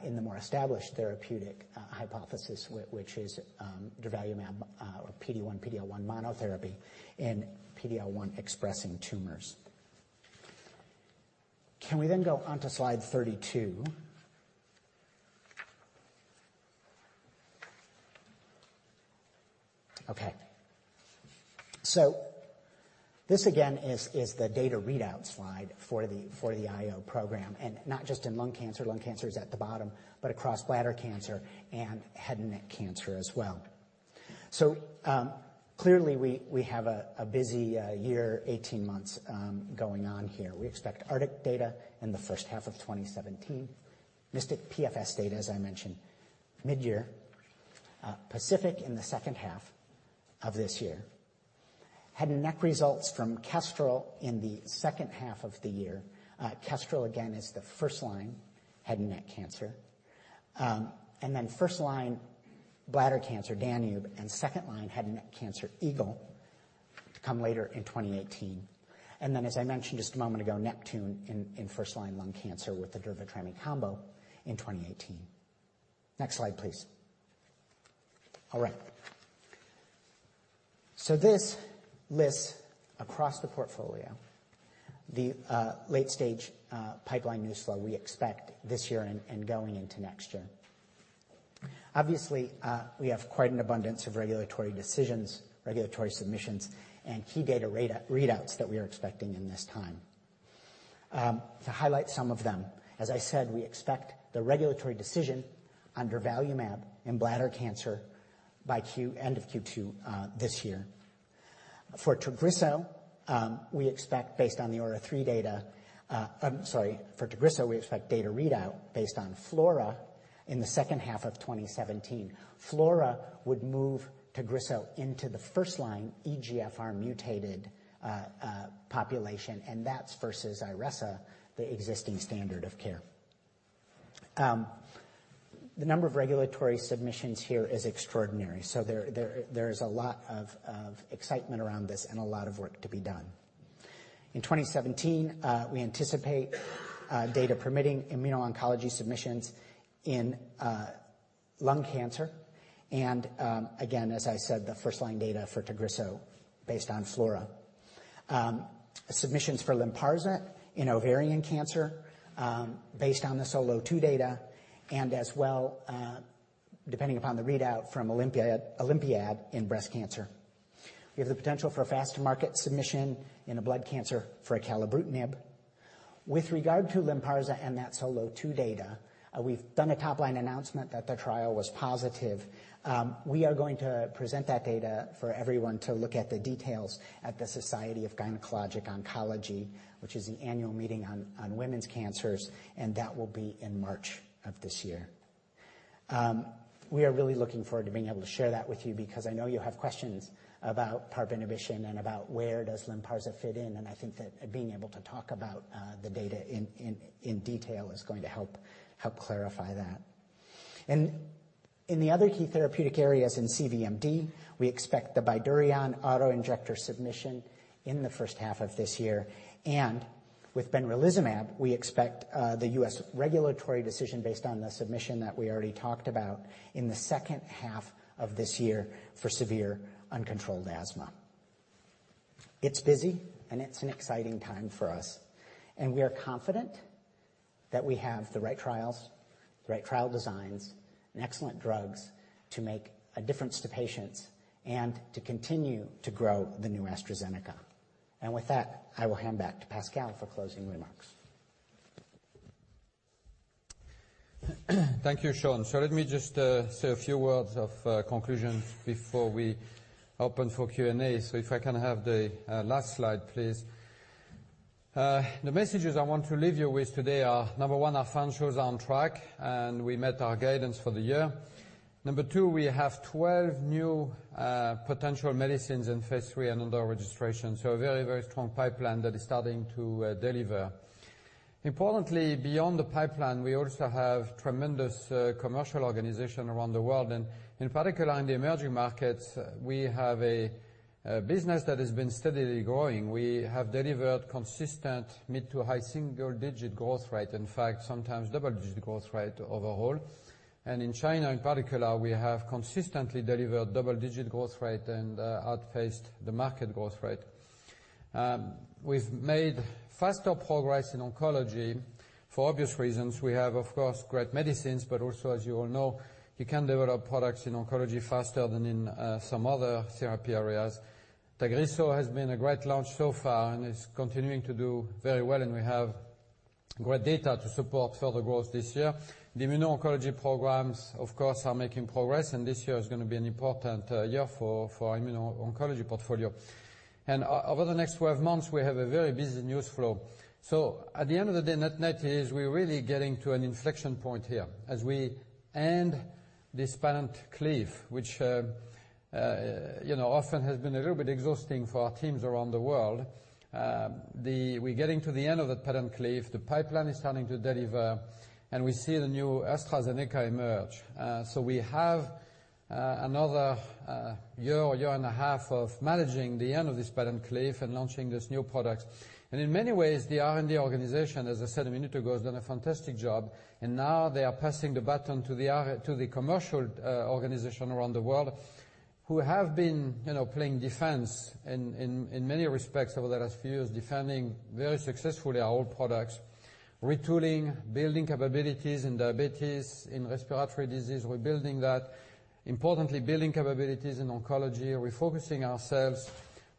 in the more established therapeutic hypothesis, which is durvalumab or PD-1/PD-L1 monotherapy in PD-L1-expressing tumors. Can we then go on to slide 32? Okay. This again is the data readout slide for the IO program. Not just in lung cancer, lung cancer is at the bottom, but across bladder cancer and head and neck cancer as well. Clearly we have a busy year, 18 months going on here. We expect ARCTIC data in the first half of 2017. MYSTIC PFS data, as I mentioned, mid-year. PACIFIC in the second half of this year. Head and neck results from KESTREL in the second half of the year. KESTREL, again, is the first-line head and neck cancer. First-line bladder cancer, DANUBE, and second-line head and neck cancer, EAGLE, to come later in 2018. As I mentioned just a moment ago, NEPTUNE in first-line lung cancer with the durva/tremi combo in 2018. Next slide, please. All right. This lists across the portfolio the late-stage pipeline news flow we expect this year and going into next year. Obviously, we have quite an abundance of regulatory decisions, regulatory submissions, and key data readouts that we are expecting in this time. To highlight some of them, as I said, we expect the regulatory decision for durvalumab in bladder cancer by end of Q2 this year. For TAGRISSO, we expect data readout based on FLAURA in the second half of 2017. FLAURA would move TAGRISSO into the first-line EGFR mutated population, and that's versus IRESSA, the existing standard of care. The number of regulatory submissions here is extraordinary, there is a lot of excitement around this and a lot of work to be done. In 2017, we anticipate data permitting immuno-oncology submissions in lung cancer and, again, as I said, the first-line data for TAGRISSO based on FLAURA. Submissions for LYNPARZA in ovarian cancer based on the SOLO2 data and as well, depending upon the readout from OlympiAD in breast cancer. We have the potential for a fast market submission in a blood cancer for acalabrutinib. With regard to LYNPARZA and that SOLO2 data, we've done a top-line announcement that the trial was positive. We are going to present that data for everyone to look at the details at the Society of Gynecologic Oncology, which is an annual meeting on women's cancers, and that will be in March of this year. We are really looking forward to being able to share that with you because I know you have questions about PARP inhibition and about where does LYNPARZA fit in, and I think that being able to talk about the data in detail is going to help clarify that. In the other key therapeutic areas in CVMD, we expect the BYDUREON auto-injector submission in the first half of this year. With benralizumab, we expect the U.S. regulatory decision based on the submission that we already talked about in the second half of this year for severe uncontrolled asthma. It's busy, and it's an exciting time for us. We are confident that we have the right trials, the right trial designs, and excellent drugs to make a difference to patients and to continue to grow the new AstraZeneca. With that, I will hand back to Pascal for closing remarks. Thank you, Sean. Let me just say a few words of conclusion before we open for Q&A. If I can have the last slide, please. The messages I want to leave you with today are, number 1, our financials are on track, and we met our guidance for the year. Number 2, we have 12 new potential medicines in phase III and under registration. A very strong pipeline that is starting to deliver. Importantly, beyond the pipeline, we also have tremendous commercial organization around the world and, in particular, in the emerging markets, we have a business that has been steadily growing. We have delivered consistent mid to high single-digit growth rate, in fact, sometimes double-digit growth rate overall. In China, in particular, we have consistently delivered double-digit growth rate and outpaced the market growth rate. We've made faster progress in oncology for obvious reasons. We have, of course, great medicines, but also, as you all know, you can develop products in oncology faster than in some other therapy areas. TAGRISSO has been a great launch so far and is continuing to do very well, and we have great data to support further growth this year. The immuno-oncology programs, of course, are making progress, and this year is going to be an important year for immuno-oncology portfolio. Over the next 12 months, we have a very busy news flow. At the end of the day, net is we're really getting to an inflection point here as we end this patent cliff, which often has been a little bit exhausting for our teams around the world. We're getting to the end of the patent cliff. The pipeline is starting to deliver, and we see the new AstraZeneca emerge. We have another year or year and a half of managing the end of this patent cliff and launching these new products. In many ways, the R&D organization, as I said a minute ago, has done a fantastic job, and now they are passing the baton to the commercial organization around the world who have been playing defense in many respects over the last few years, defending very successfully our old products, retooling, building capabilities in diabetes, in respiratory disease. We're building that. Importantly, building capabilities in oncology, refocusing ourselves,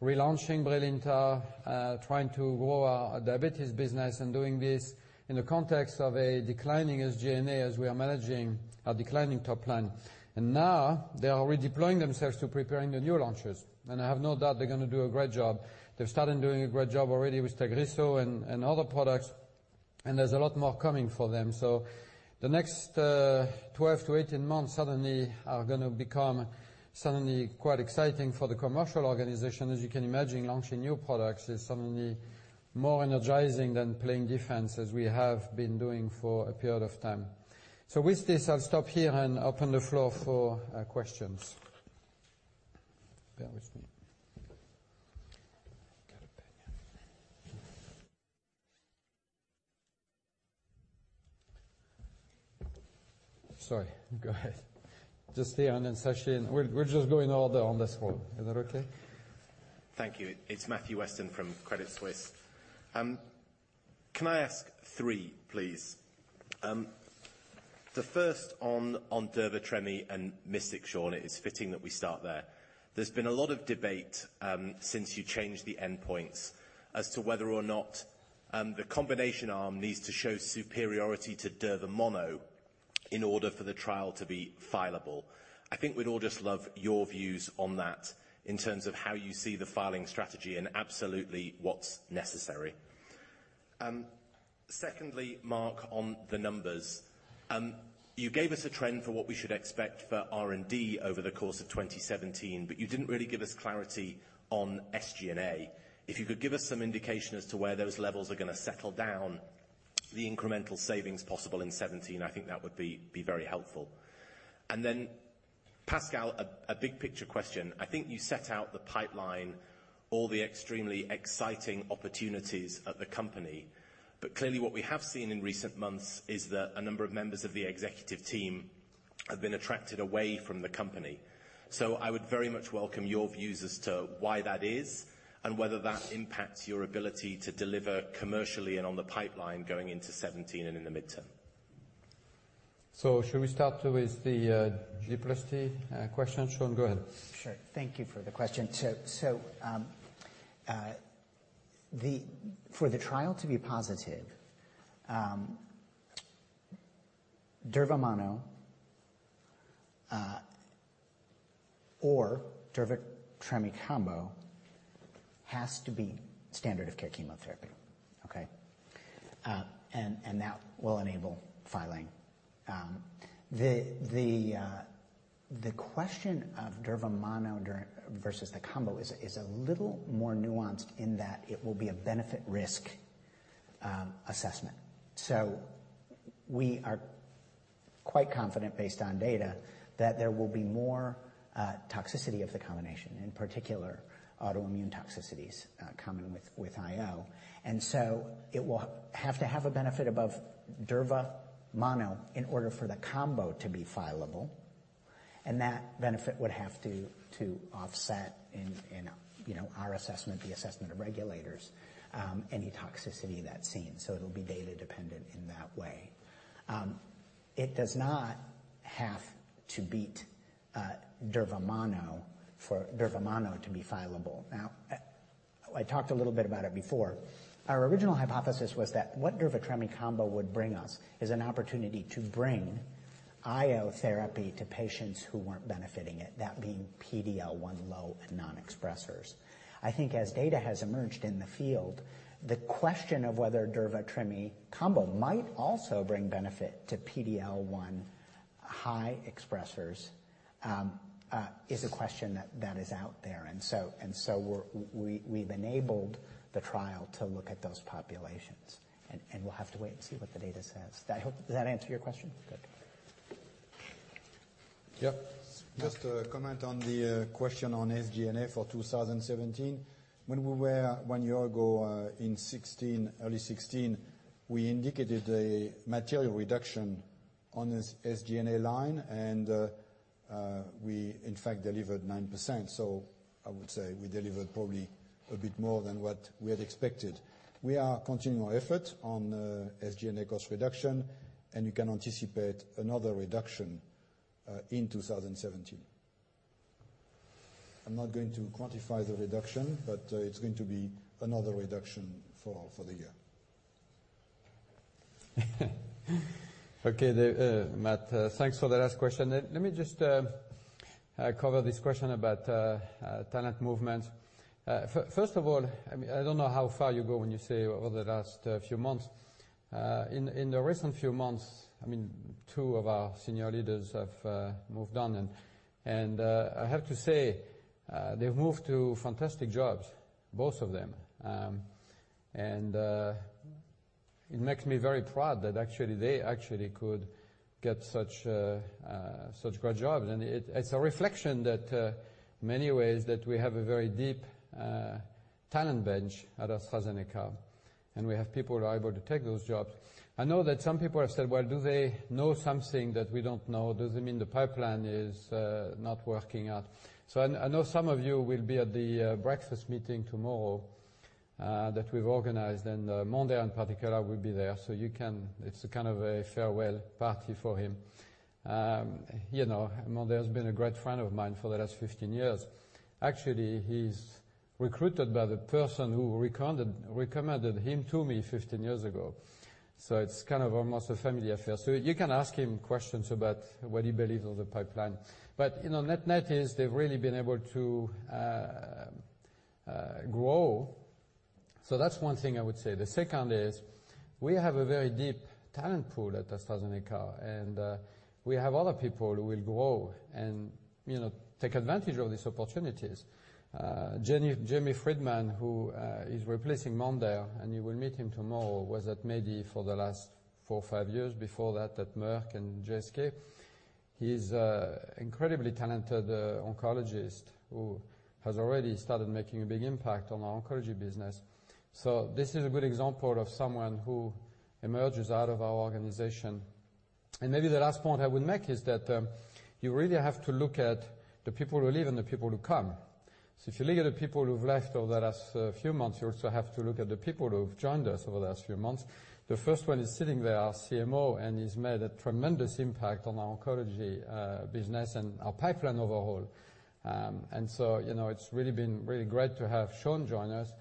relaunching BRILINTA, trying to grow our diabetes business, and doing this in the context of a declining SG&A as we are managing our declining top line. Now they are redeploying themselves to preparing the new launches. I have no doubt they're going to do a great job. They've started doing a great job already with TAGRISSO and other products. There's a lot more coming for them. The next 12-18 months suddenly are going to become suddenly quite exciting for the commercial organization. As you can imagine, launching new products is suddenly more energizing than playing defense as we have been doing for a period of time. With this, I'll stop here and open the floor for questions. Bear with me. Sorry, go ahead. Just stay on then, Sachin. We're just going order on this row. Is that okay? Thank you. It's Matthew Weston from Credit Suisse. Can I ask three, please? The first on durva, tremi, and MYSTIC, Sean, it is fitting that we start there. There's been a lot of debate since you changed the endpoints as to whether or not the combination arm needs to show superiority to durva mono in order for the trial to be fileable. I think we'd all just love your views on that in terms of how you see the filing strategy and absolutely what's necessary. Secondly, Mark, on the numbers. You gave us a trend for what we should expect for R&D over the course of 2017, you didn't really give us clarity on SG&A. If you could give us some indication as to where those levels are going to settle down, the incremental savings possible in 2017, I think that would be very helpful. Pascal, a big picture question. I think you set out the pipeline, all the extremely exciting opportunities of the company. Clearly what we have seen in recent months is that a number of members of the executive team have been attracted away from the company. I would very much welcome your views as to why that is and whether that impacts your ability to deliver commercially and on the pipeline going into 2017 and in the midterm. Shall we start with the d+t question, Sean? Go ahead. Sure. Thank you for the question. For the trial to be positive, durva mono or durva tremi combo has to be standard of care chemotherapy. Okay? That will enable filing. The question of durva mono versus the combo is a little more nuanced in that it will be a benefit risk assessment. We are quite confident based on data that there will be more toxicity of the combination, in particular autoimmune toxicities common with IO. It will have to have a benefit above durva mono in order for the combo to be fileable, and that benefit would have to offset in our assessment, the assessment of regulators any toxicity that's seen. It'll be data dependent in that way. It does not have to beat durva mono for durva mono to be fileable. I talked a little bit about it before. Our original hypothesis was that what durva tremi combo would bring us is an opportunity to bring IO therapy to patients who weren't benefiting it, that being PD-L1 low and non-expressers. I think as data has emerged in the field, the question of whether durva tremi combo might also bring benefit to PD-L1 high expressers is a question that is out there. We've enabled the trial to look at those populations, and we'll have to wait and see what the data says. Does that answer your question? Good. Just a comment on the question on SG&A for 2017. When we were one year ago in early 2016, we indicated a material reduction on the SG&A line and we in fact delivered 9%. I would say we delivered probably a bit more than what we had expected. We are continuing our effort on SG&A cost reduction, and you can anticipate another reduction in 2017. I'm not going to quantify the reduction, but it's going to be another reduction for the year. Okay, Matt, thanks for the last question. Let me just cover this question about talent movement. First of all, I don't know how far you go when you say over the last few months. In the recent few months, two of our senior leaders have moved on, and I have to say they've moved to fantastic jobs, both of them. It makes me very proud that they actually could get such great jobs. It's a reflection that many ways that we have a very deep talent bench at AstraZeneca, and we have people who are able to take those jobs. I know that some people have said, "Well, do they know something that we don't know? Does it mean the pipeline is not working out?" I know some of you will be at the breakfast meeting tomorrow that we've organized, and Mondher, in particular, will be there, so it's kind of a farewell party for him. Mondher has been a great friend of mine for the last 15 years. Actually, he's recruited by the person who recommended him to me 15 years ago. It's kind of almost a family affair. You can ask him questions about what he believes of the pipeline. Net is they've really been able to grow. That's one thing I would say. The second is, we have a very deep talent pool at AstraZeneca, and we have other people who will grow and take advantage of these opportunities. Jamie Freedman, who is replacing Mondher, and you will meet him tomorrow, was at MedImmune for the last four or five years. Before that, at Merck and GSK. He's an incredibly talented oncologist who has already started making a big impact on our oncology business. This is a good example of someone who emerges out of our organization. Maybe the last point I would make is that you really have to look at the people who leave and the people who come. If you look at the people who've left over the last few months, you also have to look at the people who've joined us over the last few months. The first one is sitting there, our CMO, and he's made a tremendous impact on our oncology business and our pipeline overall. It's really been great to have Sean join us.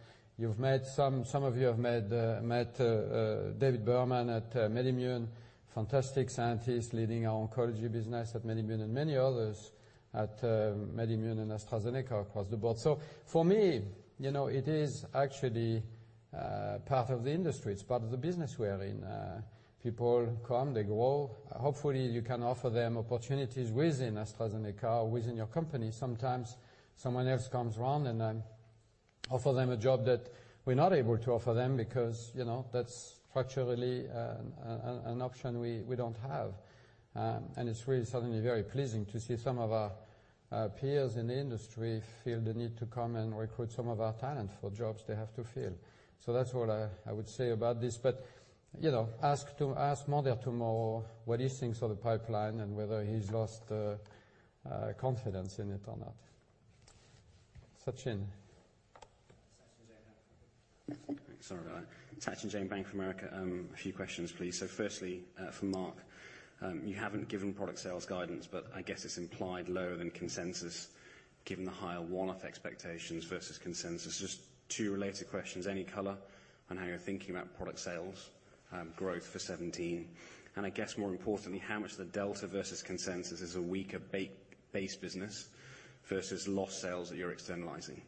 Some of you have met David Berman at MedImmune, a fantastic scientist leading our oncology business at MedImmune and many others at MedImmune and AstraZeneca across the board. For me, it is actually part of the industry. It's part of the business we are in. People come, they go. Hopefully, you can offer them opportunities within AstraZeneca or within your company. Sometimes someone else comes around and offer them a job that we're not able to offer them because that's structurally an option we don't have. It's really certainly very pleasing to see some of our peers in the industry feel the need to come and recruit some of our talent for jobs they have to fill. That's all I would say about this. Ask Mondher tomorrow what he thinks of the pipeline and whether he's lost confidence in it or not. Sachin. Sachin Jain, Bank of America. Sorry about that. Sachin Jain, Bank of America. A few questions, please. Firstly, for Marc. You haven't given product sales guidance, but I guess it's implied lower than consensus given the higher one-off expectations versus consensus. Just two related questions. Any color on how you're thinking about product sales growth for 2017? I guess more importantly, how much of the delta versus consensus is a weaker base business versus lost sales that you're externalizing?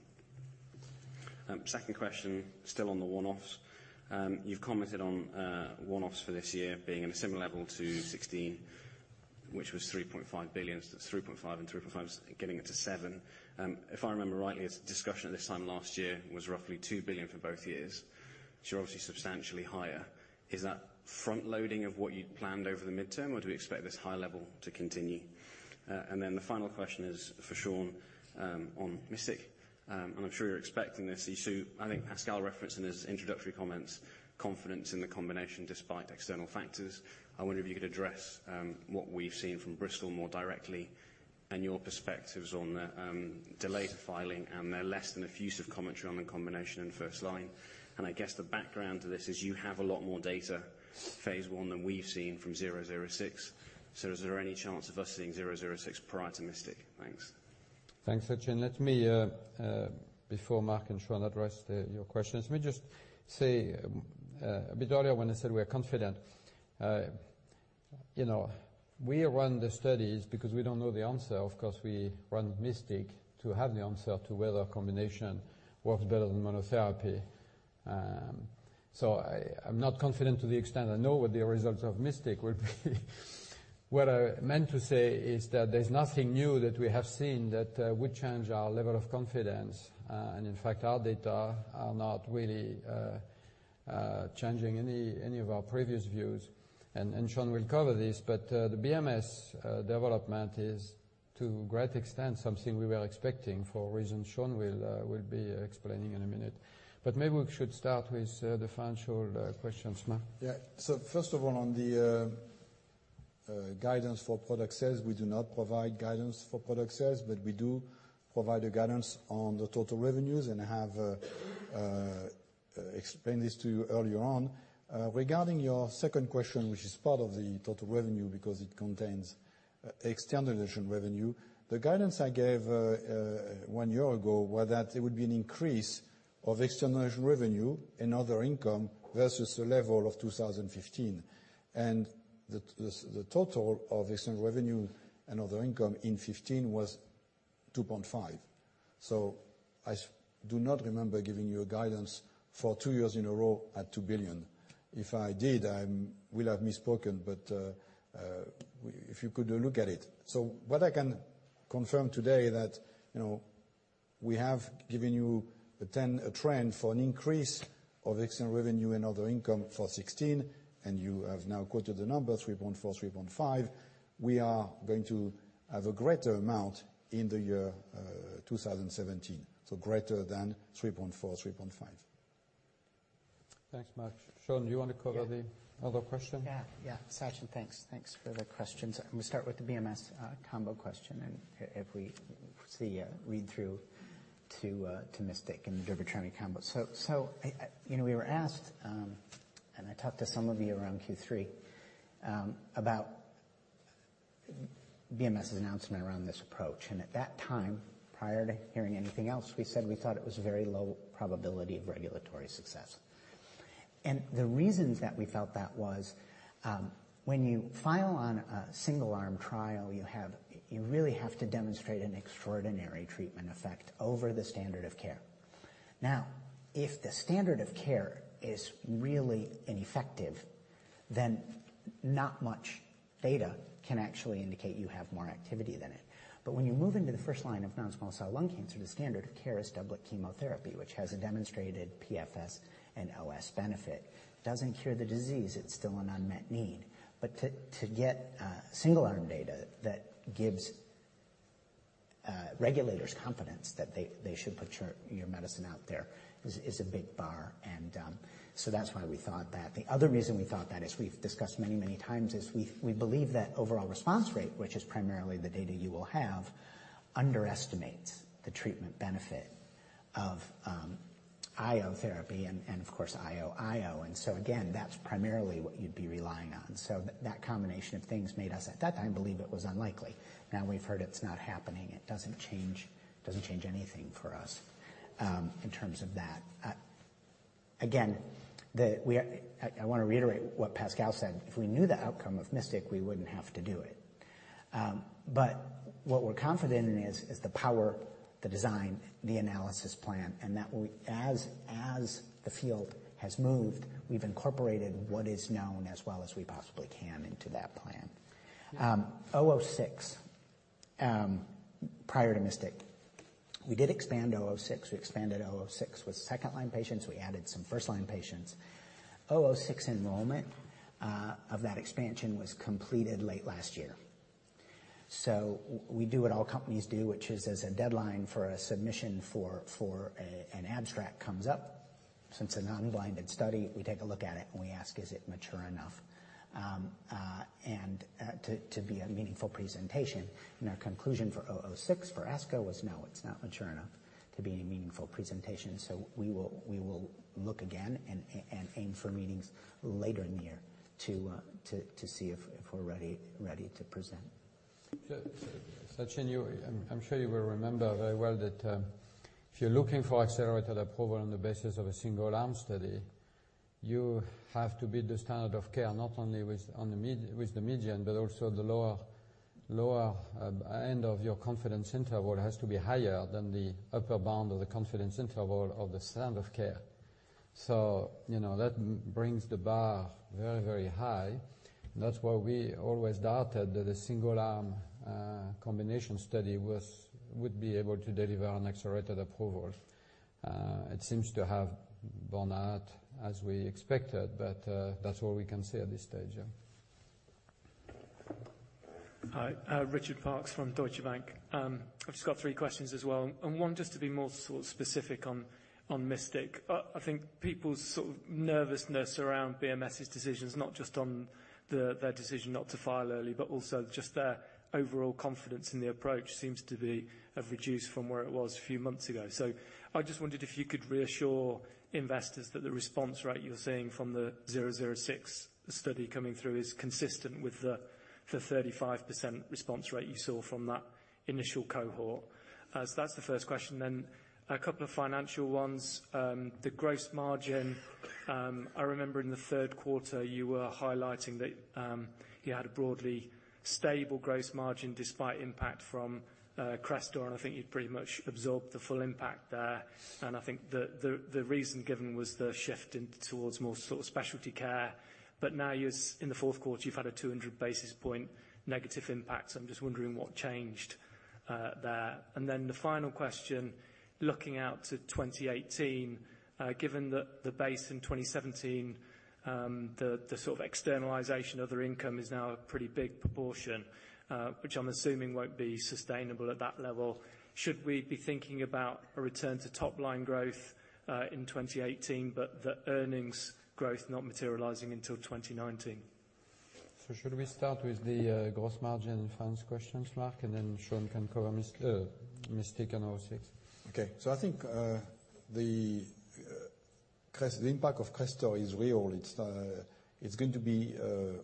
Second question, still on the one-offs. You've commented on one-offs for this year being in a similar level to 2016, which was 3.5 billion. That's 3.5 and 3.5, getting it to seven. If I remember rightly, the discussion at this time last year was roughly 2 billion for both years, which are obviously substantially higher. Is that front loading of what you'd planned over the midterm, or do we expect this high level to continue? The final question is for Sean, on MYSTIC. I'm sure you're expecting this. You saw, I think Pascal referenced in his introductory comments, confidence in the combination despite external factors. I wonder if you could address what we've seen from BMS more directly and your perspectives on the delay to filing and their less than effusive commentary on the combination in first line. I guess the background to this is you have a lot more data phase I than we've seen from Study 006. Is there any chance of us seeing Study 006 prior to MYSTIC? Thanks. Thanks, Sachin. Let me, before Marc and Sean address your questions, let me just say a bit earlier when I said we are confident. We run the studies because we don't know the answer. Of course, we run MYSTIC to have the answer to whether a combination works better than monotherapy. I'm not confident to the extent I know what the results of MYSTIC will be. What I meant to say is that there's nothing new that we have seen that would change our level of confidence. In fact, our data are not really changing any of our previous views. Sean will cover this, but the BMS development is to a great extent, something we were expecting for reasons Sean will be explaining in a minute. Maybe we should start with the financial questions, Marc. First of all, on the guidance for product sales, we do not provide guidance for product sales, but we do provide a guidance on the total revenues, and I have explained this to you earlier on. Regarding your second question, which is part of the total revenue because it contains externalization revenue. The guidance I gave one year ago was that it would be an increase of externalized revenue and other income versus the level of 2015. The total of external revenue and other income in 2015 was 2.5 billion. I do not remember giving you a guidance for 2 years in a row at 2 billion. If I did, I will have misspoken, but if you could look at it. What I can confirm today that we have given you a trend for an increase of external revenue and other income for 2016, and you have now quoted the number 3.4 billion, 3.5 billion. We are going to have a greater amount in the year 2017. Greater than 3.4 billion, 3.5 billion. Thanks, Marc. Sean, do you want to cover the other question? Yeah. Sachin, thanks. Thanks for the questions. I'm going to start with the BMS combo question, if we read through to MYSTIC and durvalumab combo. We were asked, and I talked to some of you around Q3, about BMS's announcement around this approach. At that time, prior to hearing anything else, we said we thought it was a very low probability of regulatory success. The reasons that we felt that was, when you file on a single arm trial, you really have to demonstrate an extraordinary treatment effect over the standard of care. If the standard of care is really ineffective, then not much data can actually indicate you have more activity than it. When you move into the first line of non-small cell lung cancer, the standard of care is doublet chemotherapy, which has a demonstrated PFS and OS benefit. Doesn't cure the disease. It's still an unmet need. To get single arm data that gives regulators confidence that they should put your medicine out there is a big bar. That's why we thought that. The other reason we thought that is we've discussed many, many times is we believe that overall response rate, which is primarily the data you will have, underestimates the treatment benefit of IO therapy and of course IOIO. Again, that's primarily what you'd be relying on. That combination of things made us at that time believe it was unlikely. We've heard it's not happening. It doesn't change anything for us, in terms of that. I want to reiterate what Pascal said. If we knew the outcome of MYSTIC, we wouldn't have to do it. What we're confident in is the power, the design, the analysis plan, and that as the field has moved, we've incorporated what is known as well as we possibly can into that plan. 006. Prior to MYSTIC, we did expand 006. We expanded 006 with second-line patients. We added some first-line patients. 006 enrollment of that expansion was completed late last year. We do what all companies do, which is as a deadline for a submission for an abstract comes up. Since a non-blinded study, we take a look at it and we ask, is it mature enough to be a meaningful presentation? Our conclusion for 006 for ASCO was no. It's not mature enough to be a meaningful presentation. We will look again and aim for meetings later in the year to see if we're ready to present. Sachin, I'm sure you'll remember very well that if you're looking for accelerated approval on the basis of a single-arm study, you have to be the standard of care, not only with the median, but also the lower end of your confidence interval has to be higher than the upper bound of the confidence interval of the standard of care. That brings the bar very, very high. That's why we always doubted that a single-arm combination study would be able to deliver an accelerated approval. It seems to have borne out as we expected, but that's all we can say at this stage, yeah. Hi, Richard Parkes from Deutsche Bank. I've just got three questions as well, and one just to be more sort of specific on MYSTIC. I think people's sort of nervousness around BMS' decisions, not just on their decision not to file early, but also just their overall confidence in the approach seems to have reduced from where it was a few months ago. I just wondered if you could reassure investors that the response rate you're seeing from the Study 006 coming through is consistent with the 35% response rate you saw from that initial cohort. That's the first question. A couple of financial ones. The gross margin. I remember in the third quarter you were highlighting that you had a broadly stable gross margin despite impact from CRESTOR, and I think you'd pretty much absorbed the full impact there. I think the reason given was the shift towards more sort of specialty care. Now in the fourth quarter, you've had a 200 basis point negative impact. I'm just wondering what changed there. The final question, looking out to 2018. Given that the base in 2017 the sort of externalization of their income is now a pretty big proportion, which I'm assuming won't be sustainable at that level. Should we be thinking about a return to top-line growth in 2018, but the earnings growth not materializing until 2019? Should we start with the gross margin finance questions, Marc, and then Sean can cover MYSTIC and Study 006. Okay. I think the impact of CRESTOR is real.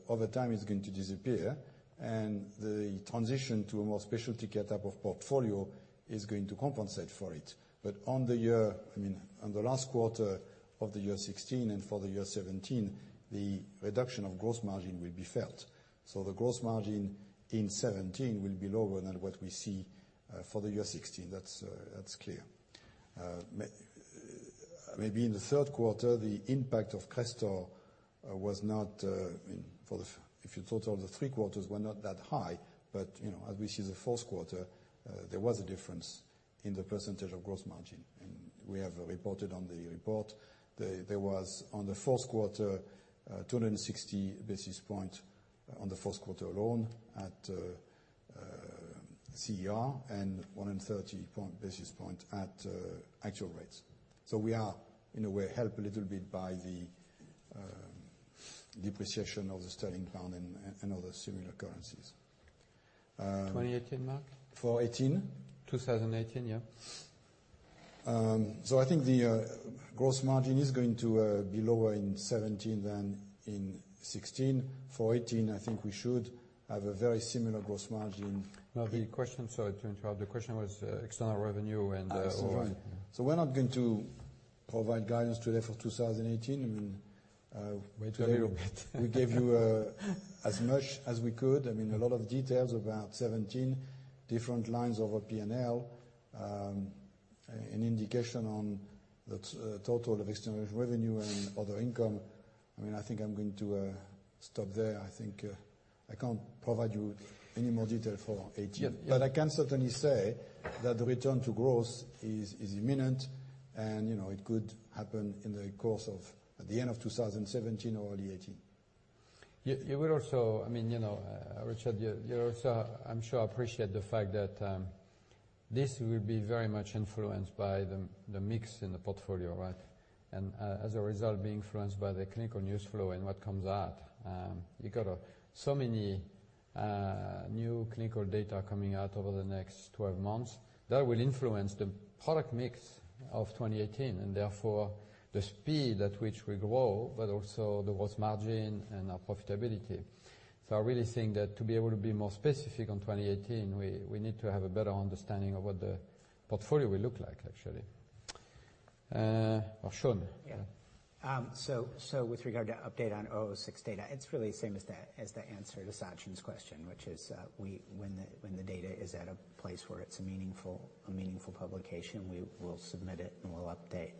Over time it's going to disappear, and the transition to a more specialty care type of portfolio is going to compensate for it. On the last quarter of the year 2016 and for the year 2017, the reduction of gross margin will be felt. The gross margin in 2017 will be lower than what we see for the year 2016. That's clear. Maybe in the third quarter, the impact of CRESTOR was not that high if you total the three quarters, as we see the fourth quarter, there was a difference in the percentage of gross margin, and we have reported on the report. There was on the fourth quarter, 260 basis points on the fourth quarter alone at CER and 130 basis points at actual rates. We are in a way helped a little bit by the depreciation of the sterling pound and other similar currencies. 2018, Marc? For 2018? 2018, yeah. I think the gross margin is going to be lower in 2017 than in 2016. For 2018, I think we should have a very similar gross margin. The question, sorry to interrupt. The question was external revenue and overall. We're not going to provide guidance today for 2018. Wait till you read. We gave you as much as we could. I mean, a lot of details about 17 different lines of our P&L, an indication on the total of external revenue and other income. I think I'm going to stop there. I think I can't provide you any more detail for 2018. Yeah. I can certainly say that the return to growth is imminent and it could happen in the course of the end of 2017 or early 2018. You would also, Richard, you also, I'm sure, appreciate the fact that this will be very much influenced by the mix in the portfolio, right? As a result, be influenced by the clinical news flow and what comes out. You got so many new clinical data coming out over the next 12 months that will influence the product mix of 2018, and therefore the speed at which we grow, but also the gross margin and our profitability. I really think that to be able to be more specific on 2018, we need to have a better understanding of what the portfolio will look like, actually. Sean? With regard to update on Study 006 data, it's really the same as the answer to Sachin's question, which is when the data is at a place where it's a meaningful publication, we will submit it and we'll update,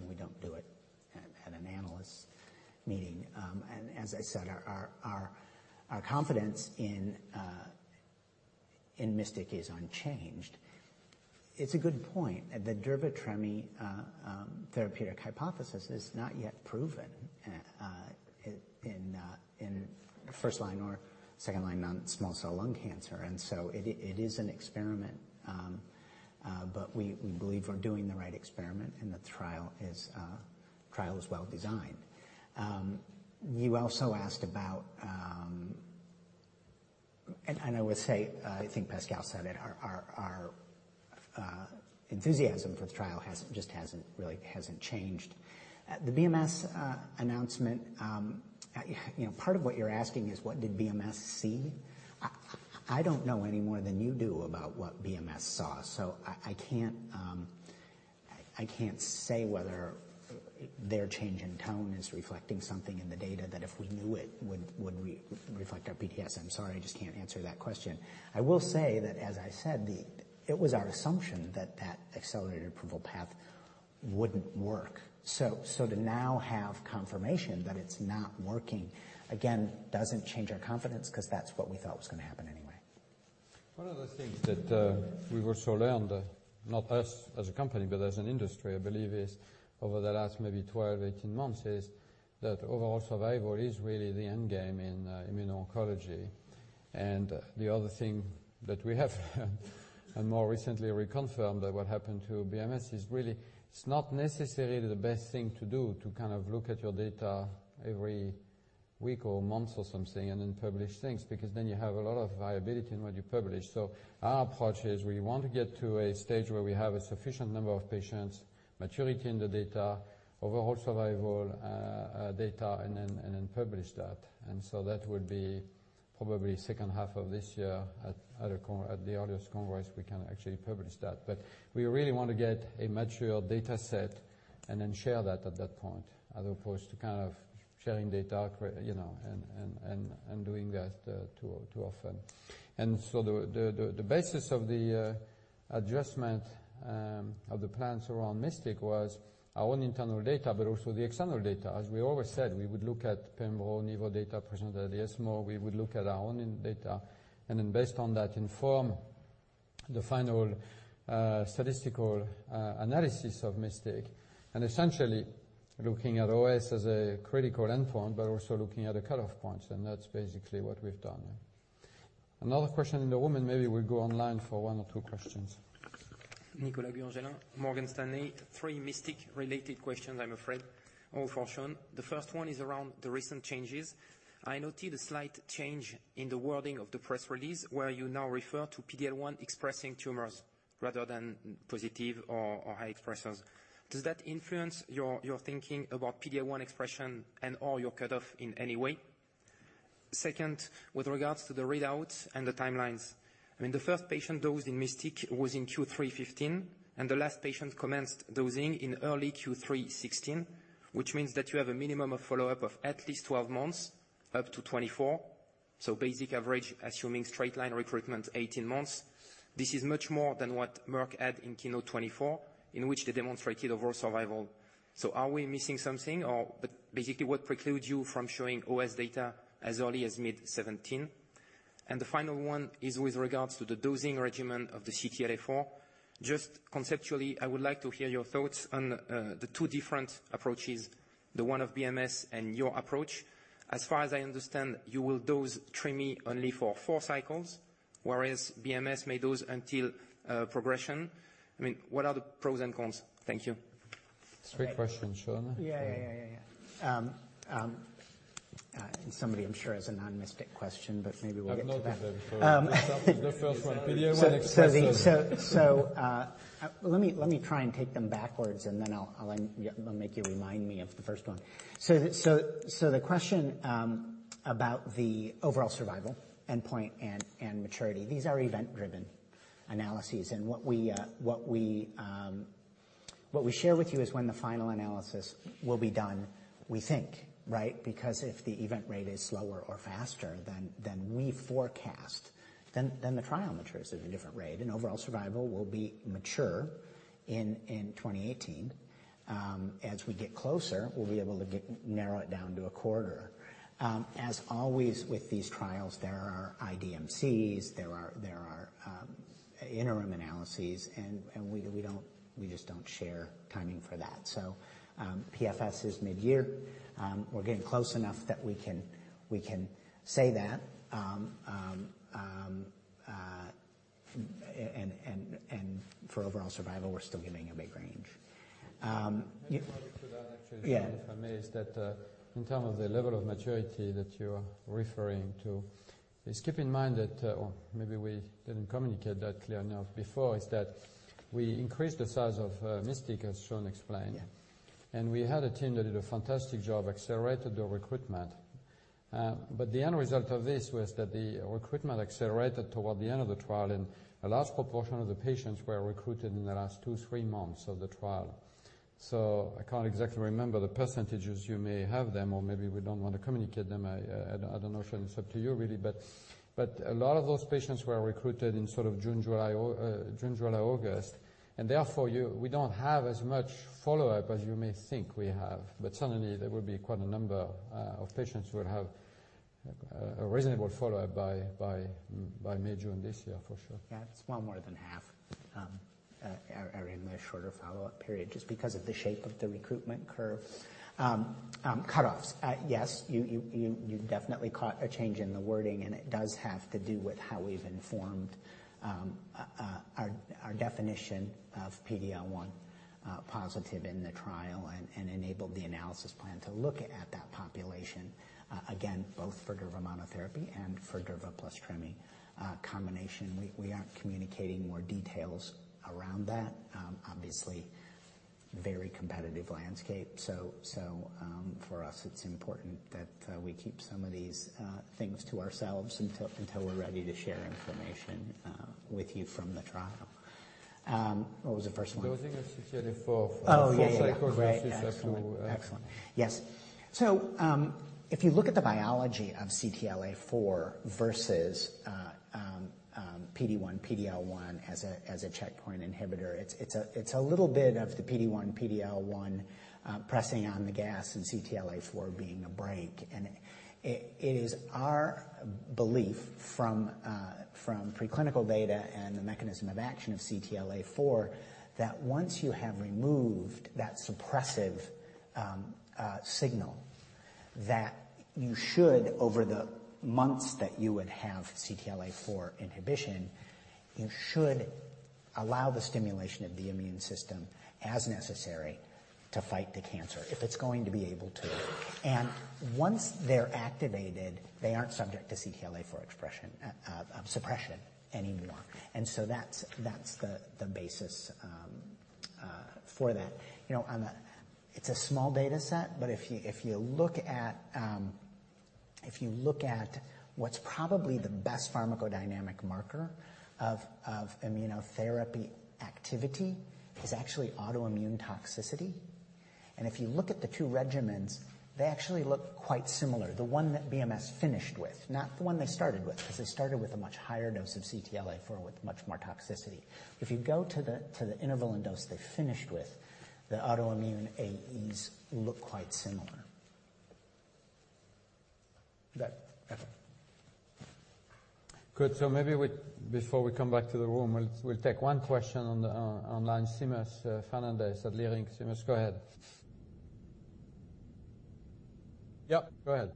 but we don't do it at an analyst meeting. As I said, our confidence in MYSTIC is unchanged. It's a good point. The durva/tremi therapeutic hypothesis is not yet proven in first-line or second-line non-small cell lung cancer. It is an experiment, but we believe we're doing the right experiment, and the trial is well-designed. You also asked about, I would say, I think Pascal said it, our enthusiasm for the trial just really hasn't changed. The BMS announcement, part of what you're asking is what did BMS see? I don't know any more than you do about what BMS saw, I can't say whether their change in tone is reflecting something in the data that if we knew it would reflect our bias. I'm sorry, I just can't answer that question. I will say that, as I said, it was our assumption that that accelerated approval path wouldn't work. To now have confirmation that it's not working, again, doesn't change our confidence because that's what we thought was going to happen anyway. One of the things that we also learned, not us as a company, but as an industry, I believe is over the last maybe 12, 18 months, is that overall survival is really the end game in immuno-oncology. The other thing that we have more recently reconfirmed that what happened to BMS is really it's not necessarily the best thing to do to kind of look at your data every week or month or something, and then publish things because then you have a lot of volatility in what you publish. Our approach is we want to get to a stage where we have a sufficient number of patients, maturity in the data, overall survival data, and then publish that. That would be probably second half of this year at the earliest congress, we can actually publish that. We really want to get a mature data set and then share that at that point, as opposed to kind of sharing data and doing that too often. The basis of the adjustment of the plans around MYSTIC was our own internal data, but also the external data. As we always said, we would look at pembro, nivo data presented at ESMO. We would look at our own data, and then based on that, inform the final statistical analysis of MYSTIC, essentially looking at OS as a critical endpoint, but also looking at a cutoff point. That's basically what we've done. Another question in the room, and maybe we'll go online for one or two questions. Nicolas Guyon=Gellin, Morgan Stanley. Three MYSTIC-related questions, I'm afraid. All for Sean. The first one is around the recent changes. I noted a slight change in the wording of the press release, where you now refer to PD-L1 expressing tumors rather than positive or high expressers. Does that influence your thinking about PD-L1 expression and/or your cutoff in any way? Second, with regards to the readouts and the timelines, the first patient dosed in MYSTIC was in Q3 2015, and the last patient commenced dosing in early Q3 2016, which means that you have a minimum of follow-up of at least 12 months, up to 24. Basic average, assuming straight line recruitment, 18 months. This is much more than what Merck had in KEYNOTE-024, in which they demonstrated overall survival. Are we missing something, or basically what precludes you from showing OS data as early as mid 2017? The final one is with regards to the dosing regimen of the CTLA-4. Just conceptually, I would like to hear your thoughts on the two different approaches, the one of BMS and your approach. As far as I understand, you will dose tremi only for four cycles, whereas BMS may dose until progression. What are the pros and cons? Thank you. It's a great question. Sean? Yeah. Somebody I'm sure has a non-MYSTIC question, but maybe we'll get to that. I've noted them for you. The first one, PD-L1 expression. Let me try and take them backwards, and then I'll make you remind me of the first one. The question about the overall survival endpoint and maturity, these are event-driven analyses and what we share with you is when the final analysis will be done, we think. Because if the event rate is slower or faster than we forecast, then the trial matures at a different rate and overall survival will be mature in 2018. As we get closer, we'll be able to narrow it down to a quarter. As always with these trials, there are IDMCs, there are interim analyses, and we just don't share timing for that. PFS is mid-year. We're getting close enough that we can say that. And for overall survival, we're still giving a big range. Can I just add to that actually- Yeah Sean, if I may? Is that in terms of the level of maturity that you're referring to, just keep in mind that, or maybe we didn't communicate that clear enough before, is that we increased the size of MYSTIC, as Sean explained. Yeah. We had a team that did a fantastic job, accelerated the recruitment. The end result of this was that the recruitment accelerated toward the end of the trial, and the last proportion of the patients were recruited in the last two, three months of the trial. I can't exactly remember the percentages. You may have them, or maybe we don't want to communicate them. I don't know, Sean, it's up to you, really. A lot of those patients were recruited in sort of June, July, August, and therefore, we don't have as much follow-up as you may think we have. Certainly, there will be quite a number of patients who will have a reasonable follow-up by mid-June this year, for sure. Yeah. It's well more than half are in the shorter follow-up period just because of the shape of the recruitment curve. Cutoffs. Yes. You definitely caught a change in the wording, and it does have to do with how we've informed our definition of PD-L1 positive in the trial and enabled the analysis plan to look at that population. Again, both for durva monotherapy and for durva plus tremi combination. We aren't communicating more details around that. Obviously, very competitive landscape. For us, it's important that we keep some of these things to ourselves until we're ready to share information with you from the trial. What was the first one? Dosing of CTLA-4. Oh, yeah. Four cycles versus two. If you look at the biology of CTLA-4 versus PD-1, PD-L1 as a checkpoint inhibitor, it's a little bit of the PD-1, PD-L1 pressing on the gas and CTLA-4 being a brake. It is our belief from preclinical data and the mechanism of action of CTLA-4 that once you have removed that suppressive signal, that you should, over the months that you would have CTLA-4 inhibition, you should allow the stimulation of the immune system as necessary to fight the cancer if it's going to be able to. Once they're activated, they aren't subject to CTLA-4 suppression anymore. That's the basis for that. It's a small data set, but if you look at what's probably the best pharmacodynamic marker of immunotherapy activity is actually autoimmune toxicity. If you look at the two regimens, they actually look quite similar. The one that BMS finished with, not the one they started with, because they started with a much higher dose of CTLA-4 with much more toxicity. If you go to the interval and dose they finished with, the autoimmune AEs look quite similar. Good. Maybe before we come back to the room, we'll take one question online. Seamus Fernandez at Leerink. Seamus, go ahead. Yes, go ahead.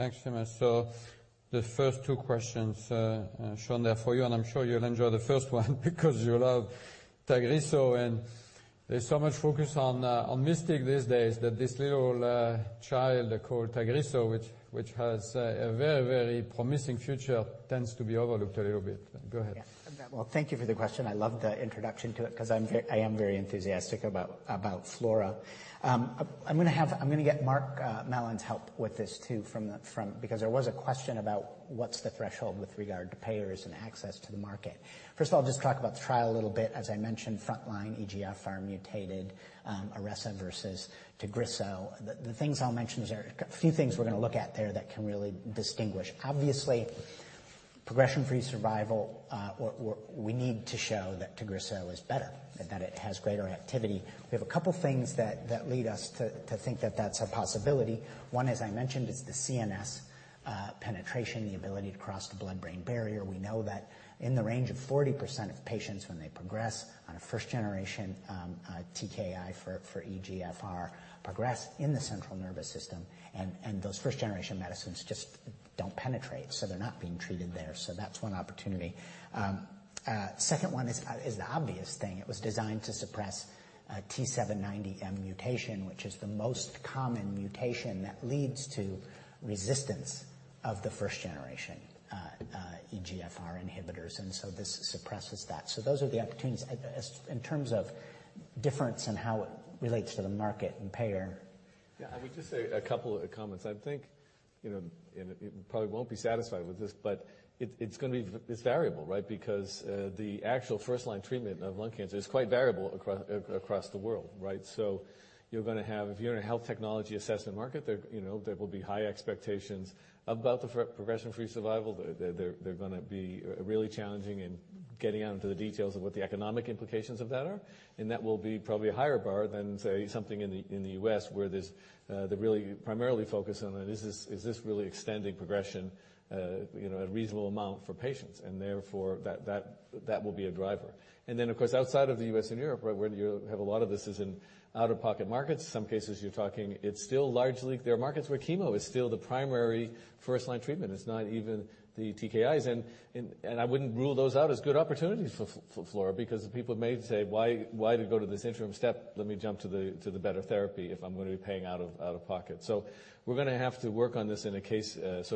Thank you so much. The first two questions, Sean, they're for you, and I'm sure you'll enjoy the first one because you love TAGRISSO, and there's so much focus on MYSTIC these days that this little child called TAGRISSO, which has a very promising future, tends to be overlooked a little bit. Go ahead. Well, thank you for the question. I love the introduction to it because I am very enthusiastic about FLAURA. I'm going to get Mark Mallon's help with this too, because there was a question about what's the threshold with regard to payers and access to the market. First of all, I'll just talk about the trial a little bit. As I mentioned, frontline EGFR mutated IRESSA versus TAGRISSO. The things I'll mention, there are a few things we're going to look at there that can really distinguish. Obviously, progression-free survival, we need to show that TAGRISSO is better and that it has greater activity. We have a couple things that lead us to think that that's a possibility. One, as I mentioned, is the CNS penetration, the ability to cross the blood-brain barrier. We know that in the range of 40% of patients when they progress on a first generation TKI for EGFR progress in the central nervous system, and those first generation medicines just don't penetrate, so they're not being treated there. That's one opportunity. Second one is the obvious thing. It was designed to suppress a T790M mutation, which is the most common mutation that leads to resistance of the first generation EGFR inhibitors, and this suppresses that. Those are the opportunities. In terms of difference in how it relates to the market and payer. Yeah, I would just say a couple of comments. I think, you probably won't be satisfied with this, it's variable, right? Because the actual first-line treatment of lung cancer is quite variable across the world, right? You're going to have, if you're in a health technology assessment market, there will be high expectations about the progression-free survival. They're going to be really challenging in getting out into the details of what the economic implications of that are. That will be probably a higher bar than, say, something in the U.S. where they're really primarily focused on is this really extending progression a reasonable amount for patients. Therefore, that will be a driver. Then, of course, outside of the U.S. and Europe, where you have a lot of this is in out-of-pocket markets. Some cases you're talking, there are markets where chemo is still the primary first-line treatment. It's not even the TKIs. I wouldn't rule those out as good opportunities for FLAURA because people may say, "Why to go to this interim step? Let me jump to the better therapy if I'm going to be paying out of pocket." We're going to have to work on this in a case, let's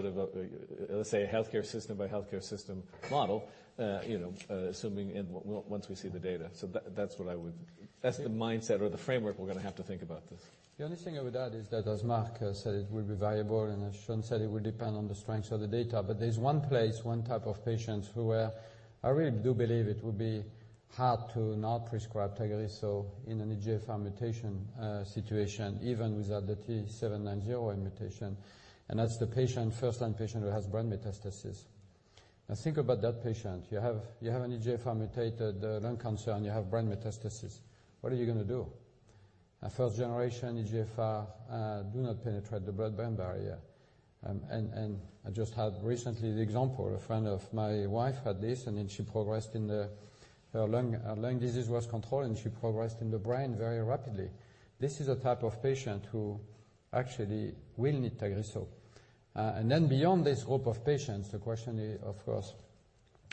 say a healthcare system by healthcare system model, assuming once we see the data. That's the mindset or the framework we're going to have to think about this. The only thing I would add is that, as Mark said, it will be variable, and as Sean said, it will depend on the strengths of the data. There's one place, one type of patients who where I really do believe it would be hard to not prescribe TAGRISSO in an EGFR mutation situation, even without the T790M mutation, and that's the first-line patient who has brain metastasis. Think about that patient. You have an EGFR mutated lung cancer, and you have brain metastasis. What are you going to do? A first-generation EGFR do not penetrate the blood-brain barrier. I just had recently the example, a friend of my wife had this, and then her lung disease was controlled, and she progressed in the brain very rapidly. This is a type of patient who actually will need TAGRISSO. Beyond this group of patients, the question is, of course,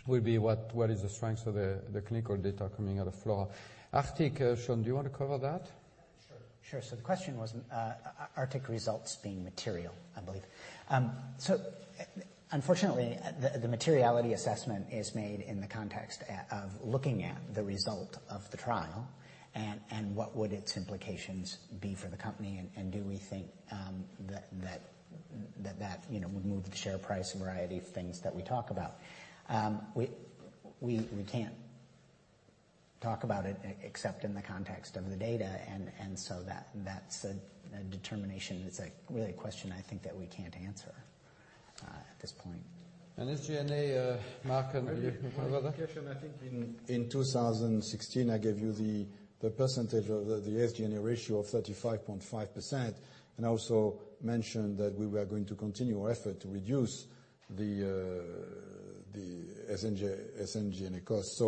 will be what is the strength of the clinical data coming out of FLAURA. ARCTIC, Sean, do you want to cover that? Sure. The question was ARCTIC results being material, I believe. Unfortunately, the materiality assessment is made in the context of looking at the result of the trial and what would its implications be for the company, do we think that that would move the share price, a variety of things that we talk about. We can't talk about it except in the context of the data, that's a determination that's really a question I think that we can't answer at this point. SG&A, Mark, you want to cover that? I think in 2016, I gave you the percentage of the SG&A ratio of 35.5%, and I also mentioned that we were going to continue our effort to reduce the SG&A cost.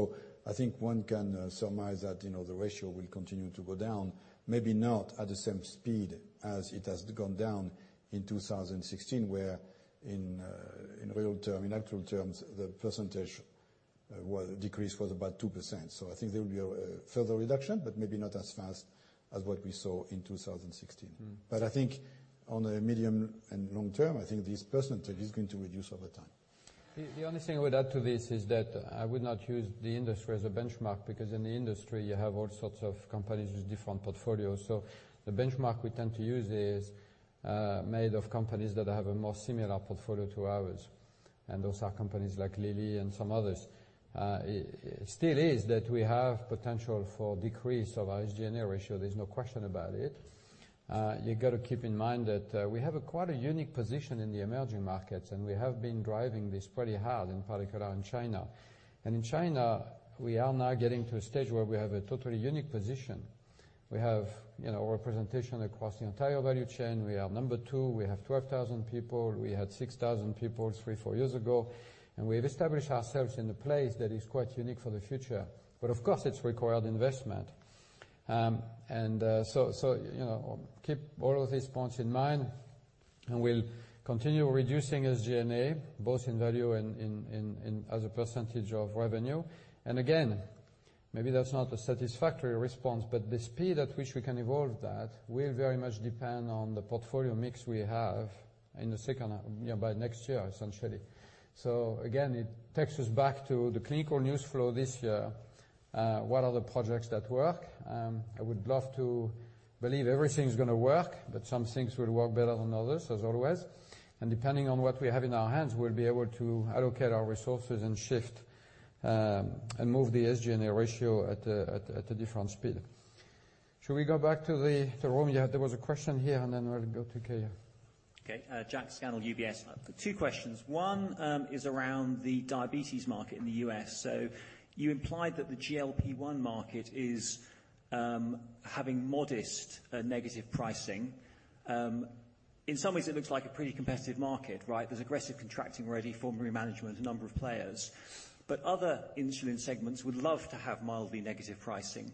I think one can surmise that the ratio will continue to go down. Maybe not at the same speed as it has gone down in 2016, where in actual terms, the percentage decrease was about 2%. I think there will be a further reduction, but maybe not as fast as what we saw in 2016. I think on a medium and long term, I think this percentage is going to reduce over time. The only thing I would add to this is that I would not use the industry as a benchmark because in the industry you have all sorts of companies with different portfolios. The benchmark we tend to use is made of companies that have a more similar portfolio to ours, and those are companies like Lilly and some others. It still is that we have potential for decrease of our SG&A ratio. There's no question about it. You got to keep in mind that we have quite a unique position in the emerging markets, and we have been driving this pretty hard, in particular in China. In China, we are now getting to a stage where we have a totally unique position. We have representation across the entire value chain. We are number 2. We have 12,000 people. We had 6,000 people three, four years ago. We have established ourselves in a place that is quite unique for the future. Of course, it's required investment. Keep all of these points in mind, and we'll continue reducing SG&A, both in value and as a percentage of revenue. Again, maybe that's not a satisfactory response, but the speed at which we can evolve that will very much depend on the portfolio mix we have by next year, essentially. Again, it takes us back to the clinical news flow this year. What are the projects that work? I would love to believe everything's going to work, but some things will work better than others, as always. Depending on what we have in our hands, we'll be able to allocate our resources and shift, and move the SG&A ratio at a different speed. Should we go back to the room? Yeah, there was a question here, and then we'll go to Kaya. Okay. Jack Scannell, UBS. I've got two questions. One is around the diabetes market in the U.S. You implied that the GLP-1 market is having modest negative pricing. In some ways, it looks like a pretty competitive market, right? There's aggressive contracting already, formulary management, a number of players. Other insulin segments would love to have mildly negative pricing,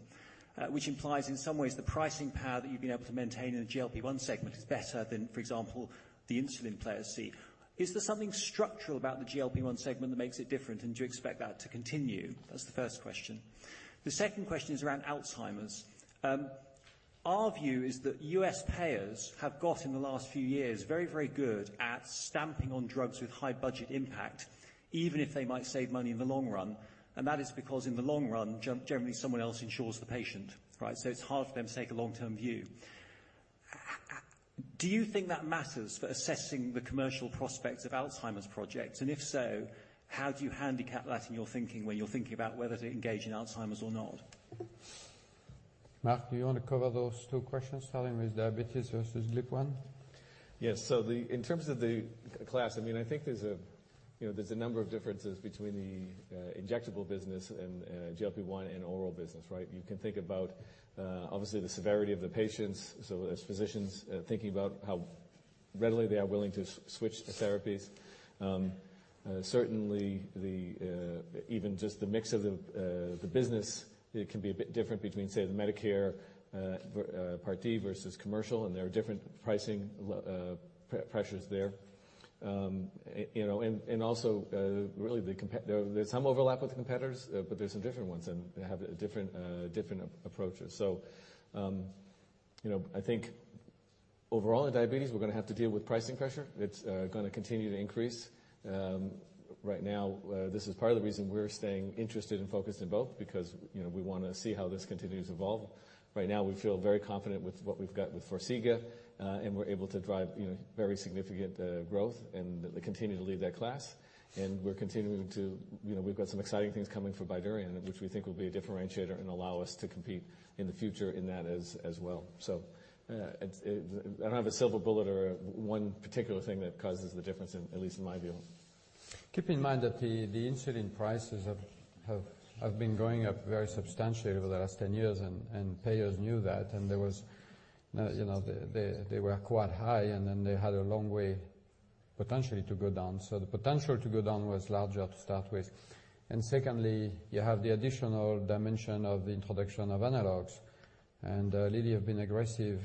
which implies, in some ways, the pricing power that you've been able to maintain in the GLP-1 segment is better than, for example, the insulin players see. Is there something structural about the GLP-1 segment that makes it different, and do you expect that to continue? That's the first question. The second question is around Alzheimer's. Our view is that U.S. payers have got, in the last few years, very good at stamping on drugs with high budget impact, even if they might save money in the long run. That is because in the long run, generally someone else insures the patient, right? It's hard for them to take a long-term view. Do you think that matters for assessing the commercial prospects of Alzheimer's projects? If so, how do you handicap that in your thinking when you're thinking about whether to engage in Alzheimer's or not? Mark, do you want to cover those two questions, starting with diabetes versus GLP-1? Yes. In terms of the class, I think there's a number of differences between the injectable business and GLP-1 and oral business, right? You can think about, obviously, the severity of the patients. As physicians thinking about how readily they are willing to switch therapies. Certainly even just the mix of the business, it can be a bit different between, say, the Medicare Part D versus commercial, there are different pricing pressures there. Also really there's some overlap with competitors, but there's some different ones, and they have different approaches. I think overall in diabetes, we're going to have to deal with pricing pressure. It's going to continue to increase. Right now, this is part of the reason we're staying interested and focused in both, because we want to see how this continues to evolve. Right now, we feel very confident with what we've got with FARXIGA, we're able to drive very significant growth and continue to lead that class. We've got some exciting things coming for BYDUREON, which we think will be a differentiator and allow us to compete in the future in that as well. I don't have a silver bullet or one particular thing that causes the difference, at least in my view. Keep in mind that the insulin prices have been going up very substantially over the last 10 years, payers knew that. They were quite high, and then they had a long way, potentially, to go down. The potential to go down was larger to start with. Secondly, you have the additional dimension of the introduction of analogs. Lilly have been aggressive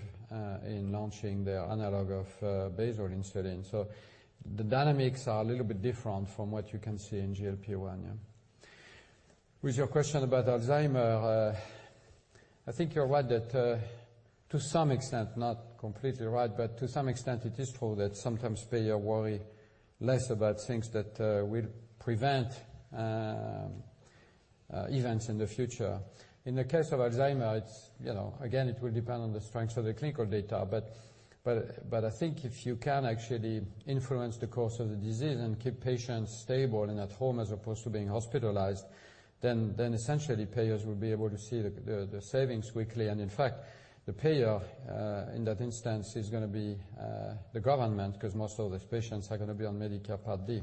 in launching their analog of basal insulin. The dynamics are a little bit different from what you can see in GLP-1. With your question about Alzheimer's, I think you're right that to some extent, not completely right, but to some extent it is true that sometimes payer worry less about things that will prevent events in the future. In the case of Alzheimer's, again, it will depend on the strength of the clinical data. I think if you can actually influence the course of the disease and keep patients stable and at home as opposed to being hospitalized, then essentially payers will be able to see the savings quickly. In fact, the payer, in that instance, is going to be the government because most of these patients are going to be on Medicare Part D.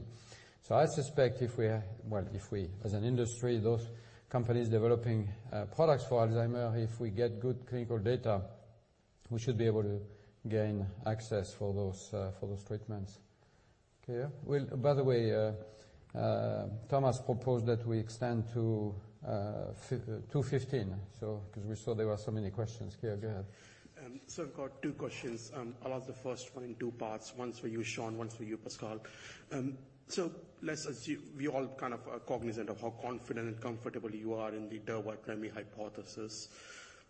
I suspect if we as an industry, those companies developing products for Alzheimer, if we get good clinical data, we should be able to gain access for those treatments. Kaya? By the way, Thomas proposed that we extend to 15, because we saw there were so many questions. Kaya, go ahead. I've got two questions. I'll ask the first one in two parts, one's for you, Sean, one's for you, Pascal. Let's assume we all are cognizant of how confident and comfortable you are in the durva/tremi hypothesis.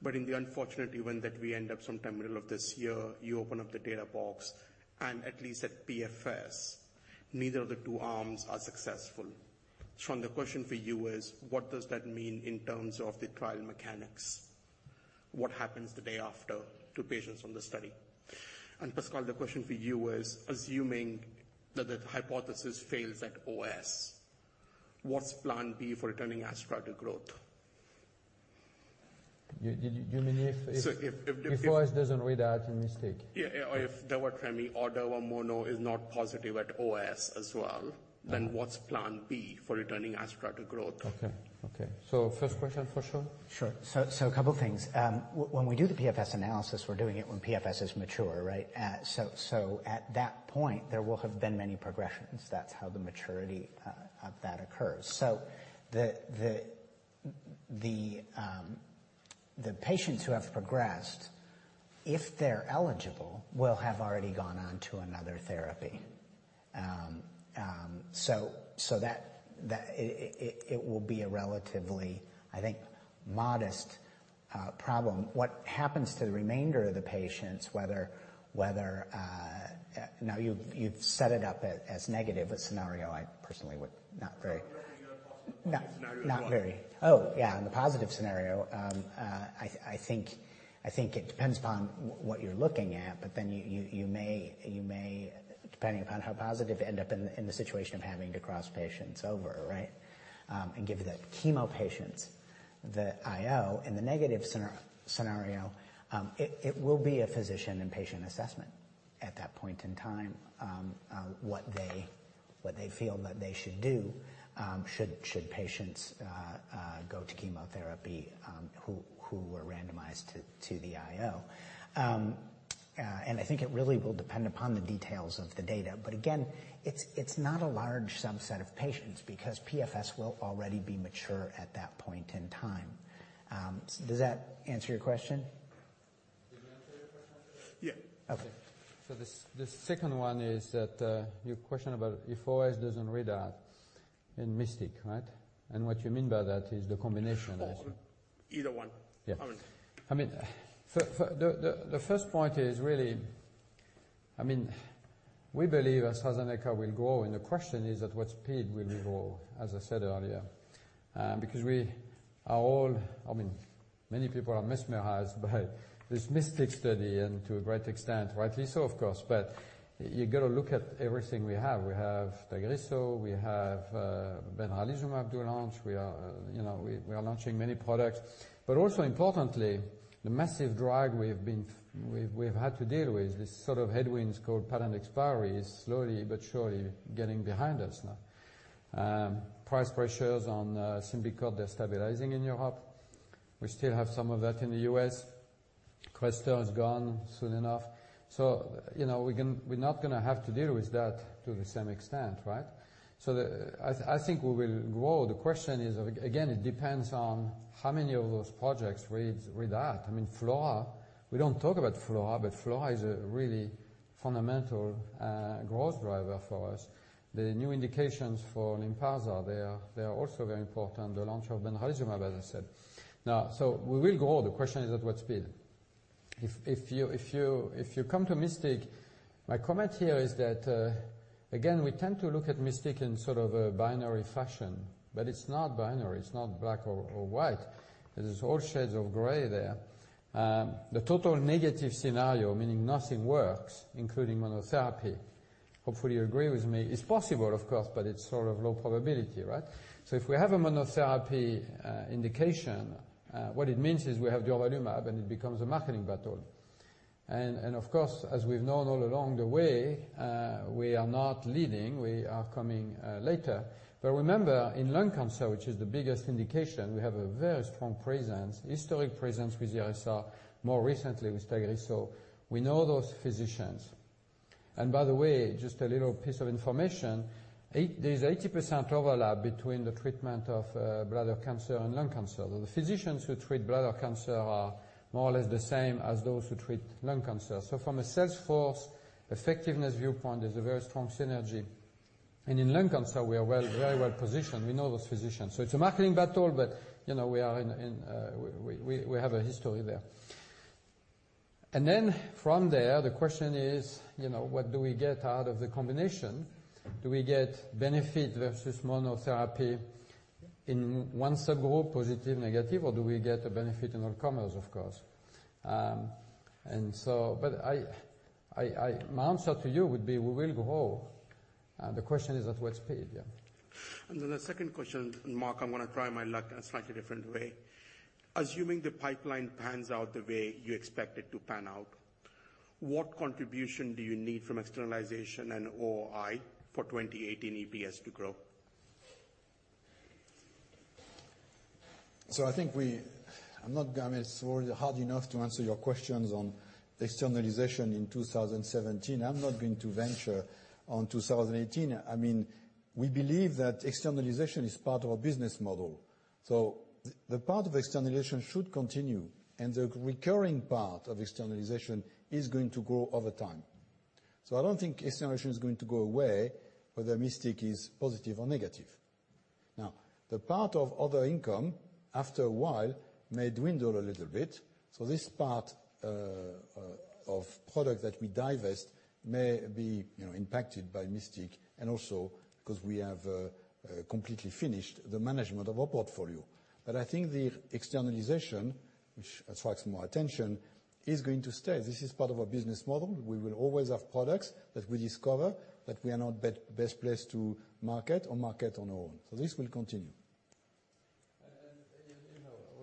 In the unfortunate event that we end up sometime middle of this year, you open up the data box, and at least at PFS, neither of the two arms are successful. Sean, the question for you is, what does that mean in terms of the trial mechanics? What happens the day after to patients on the study? Pascal, the question for you is, assuming that the hypothesis fails at OS, what's plan B for returning Astra to growth? You mean. So if- OS doesn't read out a mistake. Yeah, if durva tremi or durva mono is not positive at OS as well, what's plan B for returning Astra to growth? Okay. First question for Sean. Sure. A couple things. When we do the PFS analysis, we're doing it when PFS is mature, right? At that point, there will have been many progressions. That's how the maturity of that occurs. The patients who have progressed If they're eligible, will have already gone on to another therapy. It will be a relatively, I think, modest problem. What happens to the remainder of the patients, now you've set it up as negative a scenario, I personally would not. No, the positive scenario as well. Oh, yeah. In the positive scenario, I think it depends upon what you're looking at, you may, depending upon how positive, end up in the situation of having to cross patients over, right? Give the chemo patients the IO. In the negative scenario, it will be a physician and patient assessment at that point in time, what they feel that they should do. Should patients go to chemotherapy who were randomized to the IO. I think it really will depend upon the details of the data, but again, it's not a large subset of patients because PFS will already be mature at that point in time. Does that answer your question? Did he answer your question? Yeah. Okay. The second one is that your question about if TC25 doesn't read out in MYSTIC, right? What you mean by that is the combination Either one. Yeah. The first point is really, we believe AstraZeneca will grow, and the question is at what speed will we grow, as I said earlier. Many people are mesmerized by this MYSTIC study and to a great extent, rightly so, of course. You got to look at everything we have. We have TAGRISSO, we have benralizumab to launch. We are launching many products. Also importantly, the massive drag we've had to deal with, this sort of headwinds called patent expiry is slowly but surely getting behind us now. Price pressures on SYMBICORT are stabilizing in Europe. We still have some of that in the U.S. CRESTOR is gone soon enough. We're not going to have to deal with that to the same extent, right? I think we will grow. The question is, again, it depends on how many of those projects read that. I mean, FLAURA, we don't talk about FLAURA is a really fundamental growth driver for us. The new indications for LYNPARZA, they are also very important. The launch of benralizumab, as I said. We will grow, the question is at what speed. If you come to MYSTIC, my comment here is that, again, we tend to look at MYSTIC in sort of a binary fashion, it's not binary. It's not black or white. There is all shades of gray there. The total negative scenario, meaning nothing works, including monotherapy, hopefully you agree with me, is possible of course, it's sort of low probability, right? If we have a monotherapy indication, what it means is we have durvalumab, it becomes a marketing battle. Of course, as we've known all along the way, we are not leading. We are coming later. Remember, in lung cancer, which is the biggest indication, we have a very strong presence, historic presence with DSR, more recently with TAGRISSO. We know those physicians. By the way, just a little piece of information, there's 80% overlap between the treatment of bladder cancer and lung cancer, though the physicians who treat bladder cancer are more or less the same as those who treat lung cancer. From a sales force effectiveness viewpoint, there's a very strong synergy. In lung cancer, we are very well positioned. We know those physicians. It's a marketing battle, we have a history there. From there, the question is, what do we get out of the combination? Do we get benefit versus monotherapy in one subgroup, positive, negative, or do we get a benefit in all comers, of course? My answer to you would be, we will grow. The question is at what speed. Yeah. The second question, Mark, I'm going to try my luck a slightly different way. Assuming the pipeline pans out the way you expect it to pan out, what contribution do you need from externalization and OI for 2018 EPS to grow? I think I'm not going as hard enough to answer your questions on externalization in 2017. I'm not going to venture on 2018. We believe that externalization is part of our business model. The part of externalization should continue, and the recurring part of externalization is going to grow over time. I don't think externalization is going to go away whether MYSTIC is positive or negative. The part of other income, after a while, may dwindle a little bit. This part of product that we divest may be impacted by MYSTIC and also because we have completely finished the management of our portfolio. I think the externalization, which attracts more attention, is going to stay. This is part of our business model. We will always have products that we discover that we are not best placed to market or market on our own. This will continue.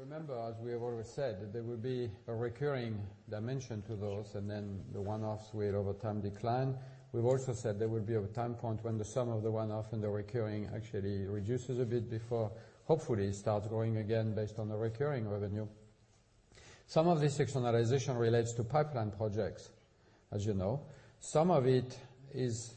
Remember, as we have always said, that there will be a recurring dimension to those, then the one-offs will over time decline. We've also said there will be a time point when the sum of the one-off and the recurring actually reduces a bit before, hopefully, it starts growing again based on the recurring revenue. Some of this externalization relates to pipeline projects, as you know. Some of it is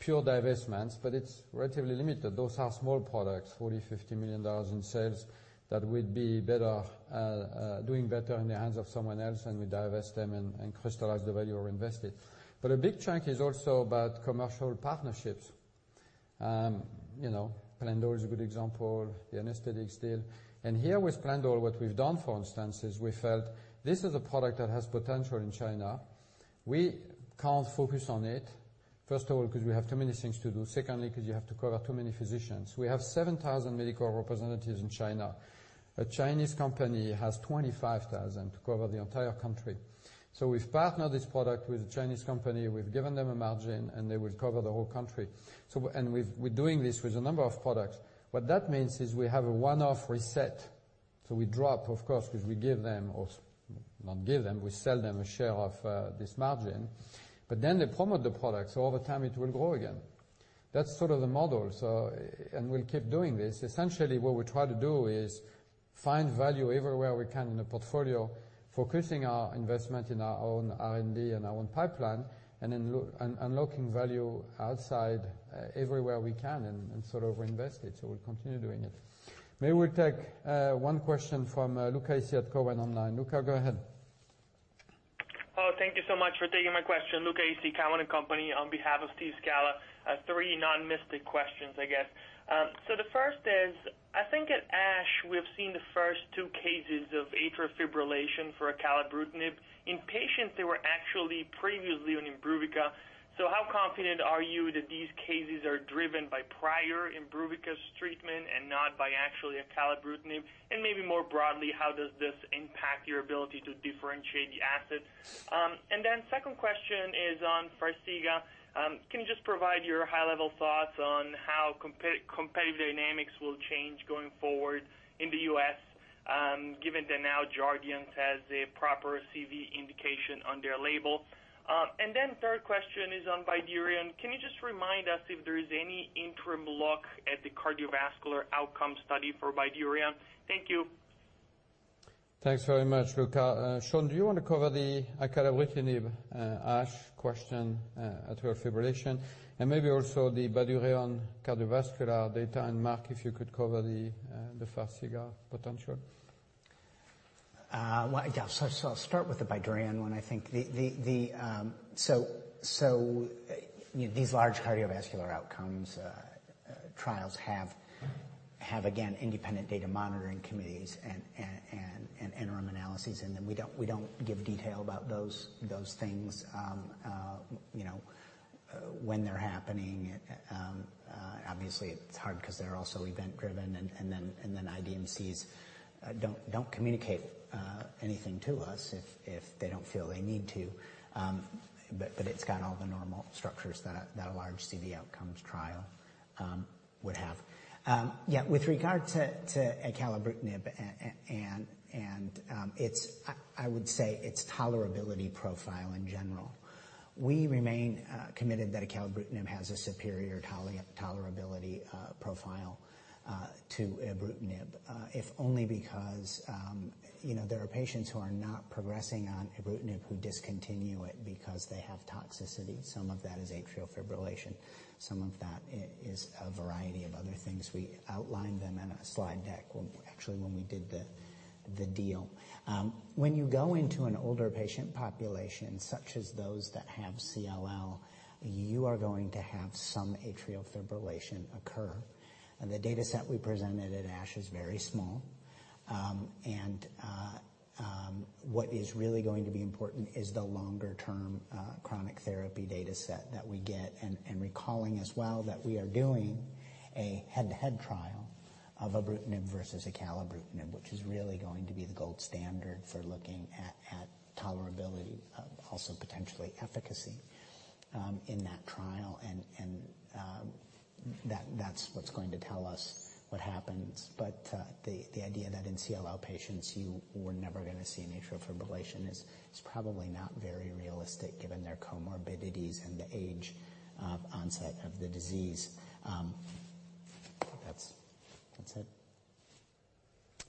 Pure divestments, but it's relatively limited. Those are small products, $40 million, $50 million in sales that would be doing better in the hands of someone else, and we divest them and crystallize the value we invested. A big chunk is also about commercial partnerships. Plendil is a good example, the anesthetics deal. Here with Plendil, what we've done, for instance, is we felt this is a product that has potential in China. We can't focus on it, first of all, because we have too many things to do. You have to cover too many physicians. We have 7,000 medical representatives in China. A Chinese company has 25,000 to cover the entire country. We've partnered this product with a Chinese company. We've given them a margin, and they will cover the whole country. We're doing this with a number of products. What that means is we have a one-off reset. We drop, of course, because we give them, or not give them, we sell them a share of this margin. They promote the product, so over time it will grow again. That's sort of the model. We'll keep doing this. Essentially, what we try to do is find value everywhere we can in a portfolio, focusing our investment in our own R&D and our own pipeline, and unlocking value outside everywhere we can and sort of reinvest it. We'll continue doing it. Maybe we'll take one question from Luca Issi at Cowen online. Luca, go ahead. Thank you so much for taking my question. Luca Issi, Cowen and Company on behalf of Steve Scala. Three non-MYSTIC questions, I guess. The first is, I think at ASH, we've seen the first two cases of atrial fibrillation for acalabrutinib in patients who were actually previously on IMBRUVICA. How confident are you that these cases are driven by prior IMBRUVICA's treatment and not by actually acalabrutinib? Maybe more broadly, how does this impact your ability to differentiate the asset? Second question is on FARXIGA. Can you just provide your high-level thoughts on how competitive dynamics will change going forward in the U.S. given that now JARDIANCE has a proper CV indication on their label? Third question is on BYDUREON. Can you just remind us if there is any interim look at the cardiovascular outcome study for BYDUREON? Thank you. Thanks very much, Luca. Sean, do you want to cover the acalabrutinib ASH question, atrial fibrillation, and maybe also the BYDUREON cardiovascular data? Mark, if you could cover the FARXIGA potential. I'll start with the BYDUREON one. These large cardiovascular outcomes trials have, again, independent data monitoring committees and interim analyses. We don't give detail about those things when they're happening. Obviously, it's hard because they're also event-driven. IDMCs don't communicate anything to us if they don't feel they need to. It's got all the normal structures that a large CV outcomes trial would have. With regard to acalabrutinib and I would say its tolerability profile in general. We remain committed that acalabrutinib has a superior tolerability profile to ibrutinib if only because there are patients who are not progressing on ibrutinib who discontinue it because they have toxicity. Some of that is atrial fibrillation. Some of that is a variety of other things. We outlined them in a slide deck, actually, when we did the deal. When you go into an older patient population, such as those that have CLL, you are going to have some atrial fibrillation occur. The dataset we presented at ASH is very small. What is really going to be important is the longer-term chronic therapy dataset that we get. We are doing a head-to-head trial of ibrutinib versus acalabrutinib, which is really going to be the gold standard for looking at tolerability, also potentially efficacy in that trial. That's what's going to tell us what happens. The idea that in CLL patients you were never going to see an atrial fibrillation is probably not very realistic given their comorbidities and the age of onset of the disease. That's it.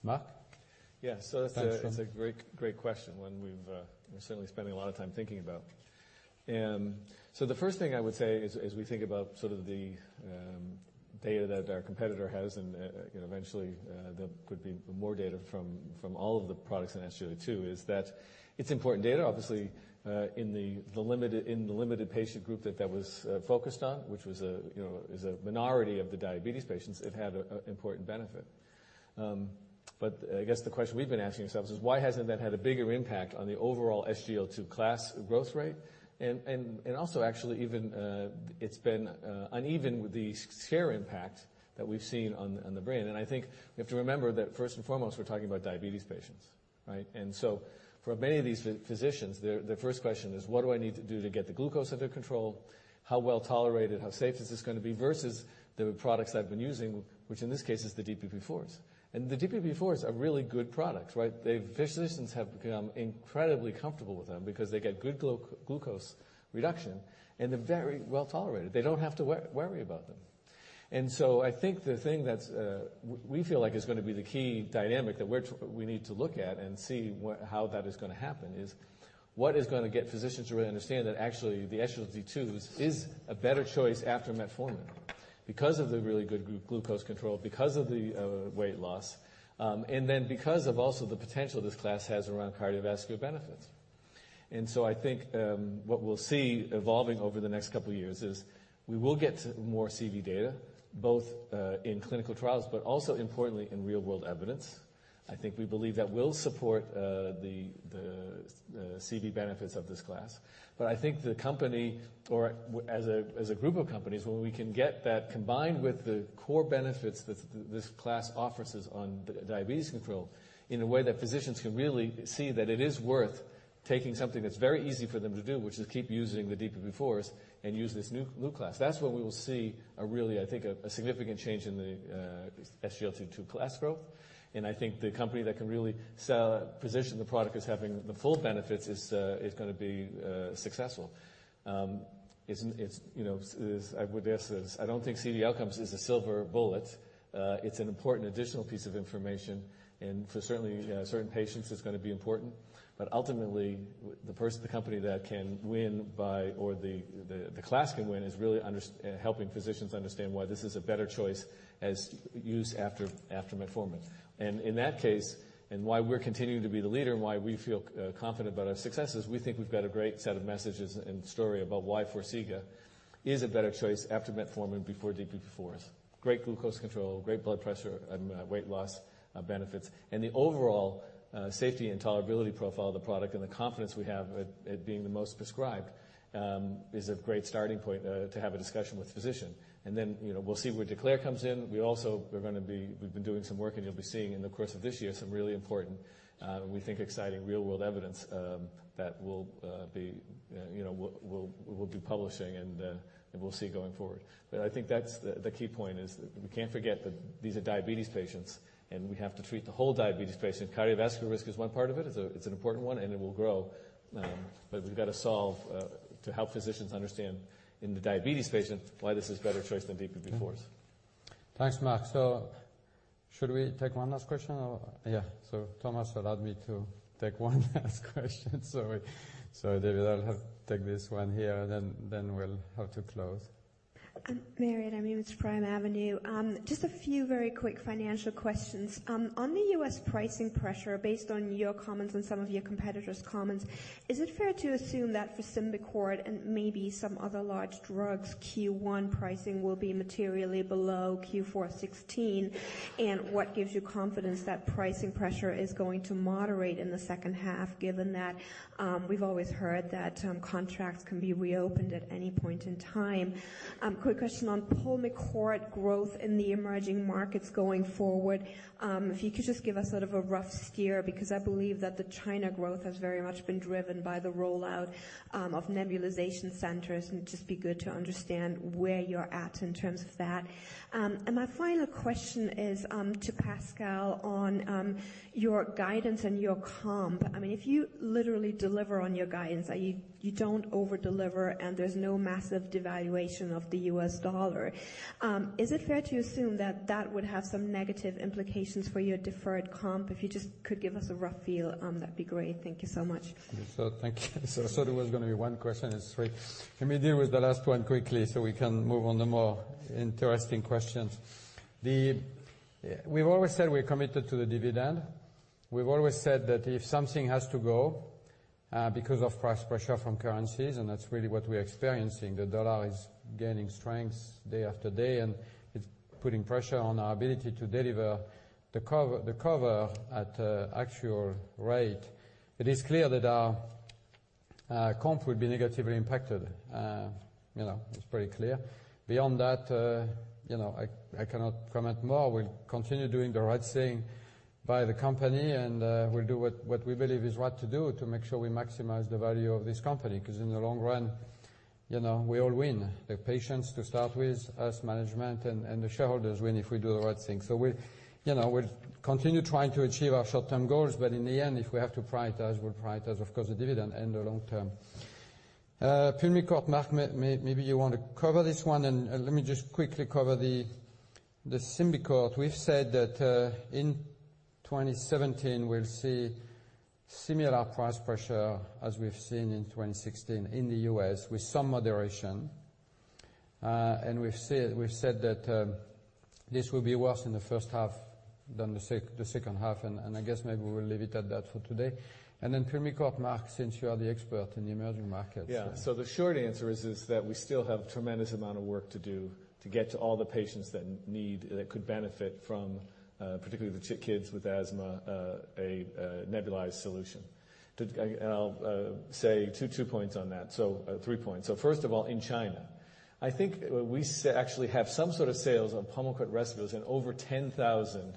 Mark? Yeah. Thanks, Sean. That's a great question, one we've certainly spending a lot of time thinking about. The first thing I would say is we think about sort of the data that our competitor has. There could be more data from all of the products in SGLT2 is that it's important data. Obviously, in the limited patient group that that was focused on, which is a minority of the diabetes patients, it had an important benefit. I guess the question we've been asking ourselves is why hasn't that had a bigger impact on the overall SGLT2 class growth rate? Also actually even it's been uneven with the share impact that we've seen on the brand. I think we have to remember that first and foremost, we're talking about diabetes patients, right? For many of these physicians, their first question is: what do I need to do to get the glucose under control? How well tolerated, how safe is this going to be versus the products I've been using, which in this case is the DPP4s. The DPP4s are really good products, right? Physicians have become incredibly comfortable with them because they get good glucose reduction, and they're very well tolerated. They don't have to worry about them. I think the thing that we feel like is going to be the key dynamic that we need to look at and see how that is going to happen is what is going to get physicians to really understand that actually the SGLT2 is a better choice after metformin because of the really good glucose control, because of the weight loss, and then because of also the potential this class has around cardiovascular benefits. I think what we'll see evolving over the next couple of years is we will get more CV data, both in clinical trials, but also importantly in real world evidence. I think we believe that will support the CV benefits of this class. I think the company or as a group of companies, when we can get that combined with the core benefits that this class offers us on diabetes control in a way that physicians can really see that it is worth taking something that's very easy for them to do, which is keep using the DPP4s and use this new class. That's when we will see a really, I think, a significant change in the SGLT2 class growth. I would guess I don't think CV outcomes is a silver bullet. It's an important additional piece of information, and for certain patients, it's going to be important. Ultimately, the company that can win by or the class can win is really helping physicians understand why this is a better choice as used after metformin. In that case, and why we're continuing to be the leader and why we feel confident about our successes, we think we've got a great set of messages and story about why FARXIGA is a better choice after metformin before DPP4s. Great glucose control, great blood pressure and weight loss benefits. The overall safety and tolerability profile of the product and the confidence we have at being the most prescribed is a great starting point to have a discussion with physician. Then we'll see where DECLARE comes in. You'll be seeing in the course of this year some really important, we think, exciting real-world evidence that we'll be publishing and we'll see going forward. I think that's the key point is we can't forget that these are diabetes patients, and we have to treat the whole diabetes patient. Cardiovascular risk is one part of it. It's an important one, and it will grow. We've got to solve to help physicians understand in the diabetes patient why this is a better choice than DPP4s. Thanks, Mark. Should we take one last question or yeah. Thomas allowed me to take one last question. David, I'll take this one here, and then we'll have to close. Marietta Miemietz. It's Primeavenue. Just a few very quick financial questions. On the U.S. pricing pressure, based on your comments and some of your competitors' comments, is it fair to assume that for SYMBICORT and maybe some other large drugs, Q1 pricing will be materially below Q4 2016? What gives you confidence that pricing pressure is going to moderate in the second half, given that we've always heard that contracts can be reopened at any point in time? Quick question on Pulmicort growth in the emerging markets going forward. If you could just give us sort of a rough steer, because I believe that the China growth has very much been driven by the rollout of nebulization centers, and it'd just be good to understand where you're at in terms of that. My final question is to Pascal on your guidance and your comp. If you literally deliver on your guidance, you don't over-deliver, and there's no massive devaluation of the U.S. dollar, is it fair to assume that that would have some negative implications for your deferred comp? If you just could give us a rough feel, that'd be great. Thank you so much. Thank you. I thought it was going to be one question. It is three. Let me deal with the last one quickly so we can move on to more interesting questions. We have always said we are committed to the dividend. We have always said that if something has to go because of price pressure from currencies, that is really what we are experiencing. The dollar is gaining strength day after day, it is putting pressure on our ability to deliver the cover at actual rate. It is clear that our comp will be negatively impacted. It is pretty clear. Beyond that I cannot comment more. We will continue doing the right thing by the company, we will do what we believe is right to do to make sure we maximize the value of this company because in the long run we all win. The patients to start with, us management, the shareholders win if we do the right thing. We will continue trying to achieve our short-term goals, in the end, if we have to prioritize, we will prioritize, of course, the dividend and the long term. Pulmicort, Mark, maybe you want to cover this one, let me just quickly cover the SYMBICORT. We have said that in 2017, we will see similar price pressure as we have seen in 2016 in the U.S. with some moderation. We have said that this will be worse in the first half than the second half, I guess maybe we will leave it at that for today. Pulmicort, Mark, since you are the expert in the emerging markets. The short answer is that we still have a tremendous amount of work to do to get to all the patients that need, that could benefit from, particularly the kids with asthma, a nebulized solution. I will say two points on that. Three points. First of all, in China, I think we actually have some sort of sales on Pulmicort Respules in over 10,000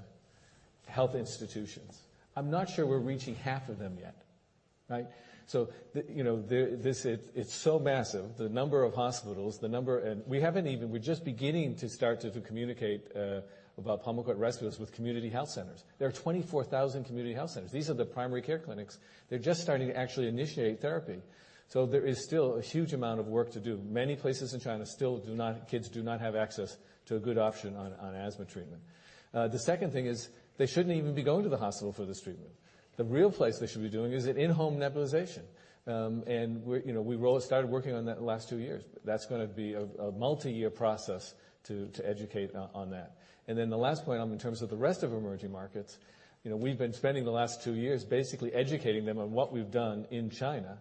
health institutions. I am not sure we are reaching half of them yet, right? It is so massive, the number of hospitals. We are just beginning to start to communicate about Pulmicort Respules with community health centers. There are 24,000 community health centers. These are the primary care clinics. They are just starting to actually initiate therapy. There is still a huge amount of work to do. Many places in China still kids do not have access to a good option on asthma treatment. The second thing is they should not even be going to the hospital for this treatment. The real place they should be doing is at in-home nebulization. We started working on that the last two years. That is going to be a multi-year process to educate on that. The last point in terms of the rest of emerging markets, we have been spending the last two years basically educating them on what we have done in China.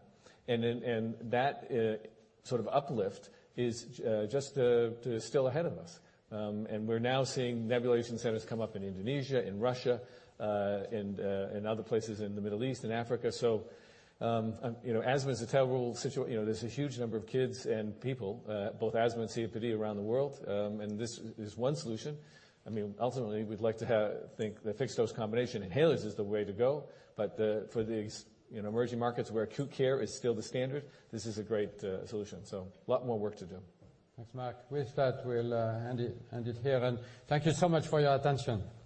That sort of uplift is just still ahead of us. We are now seeing nebulization centers come up in Indonesia, in Russia, and other places in the Middle East and Africa. Asthma is a terrible situation. There is a huge number of kids and people, both asthma and COPD around the world. This is one solution. Ultimately, we would like to think the fixed-dose combination inhalers is the way to go. For the emerging markets where acute care is still the standard, this is a great solution. A lot more work to do. Thanks, Mark. With that, we'll end it here, and thank you so much for your attention. Thank you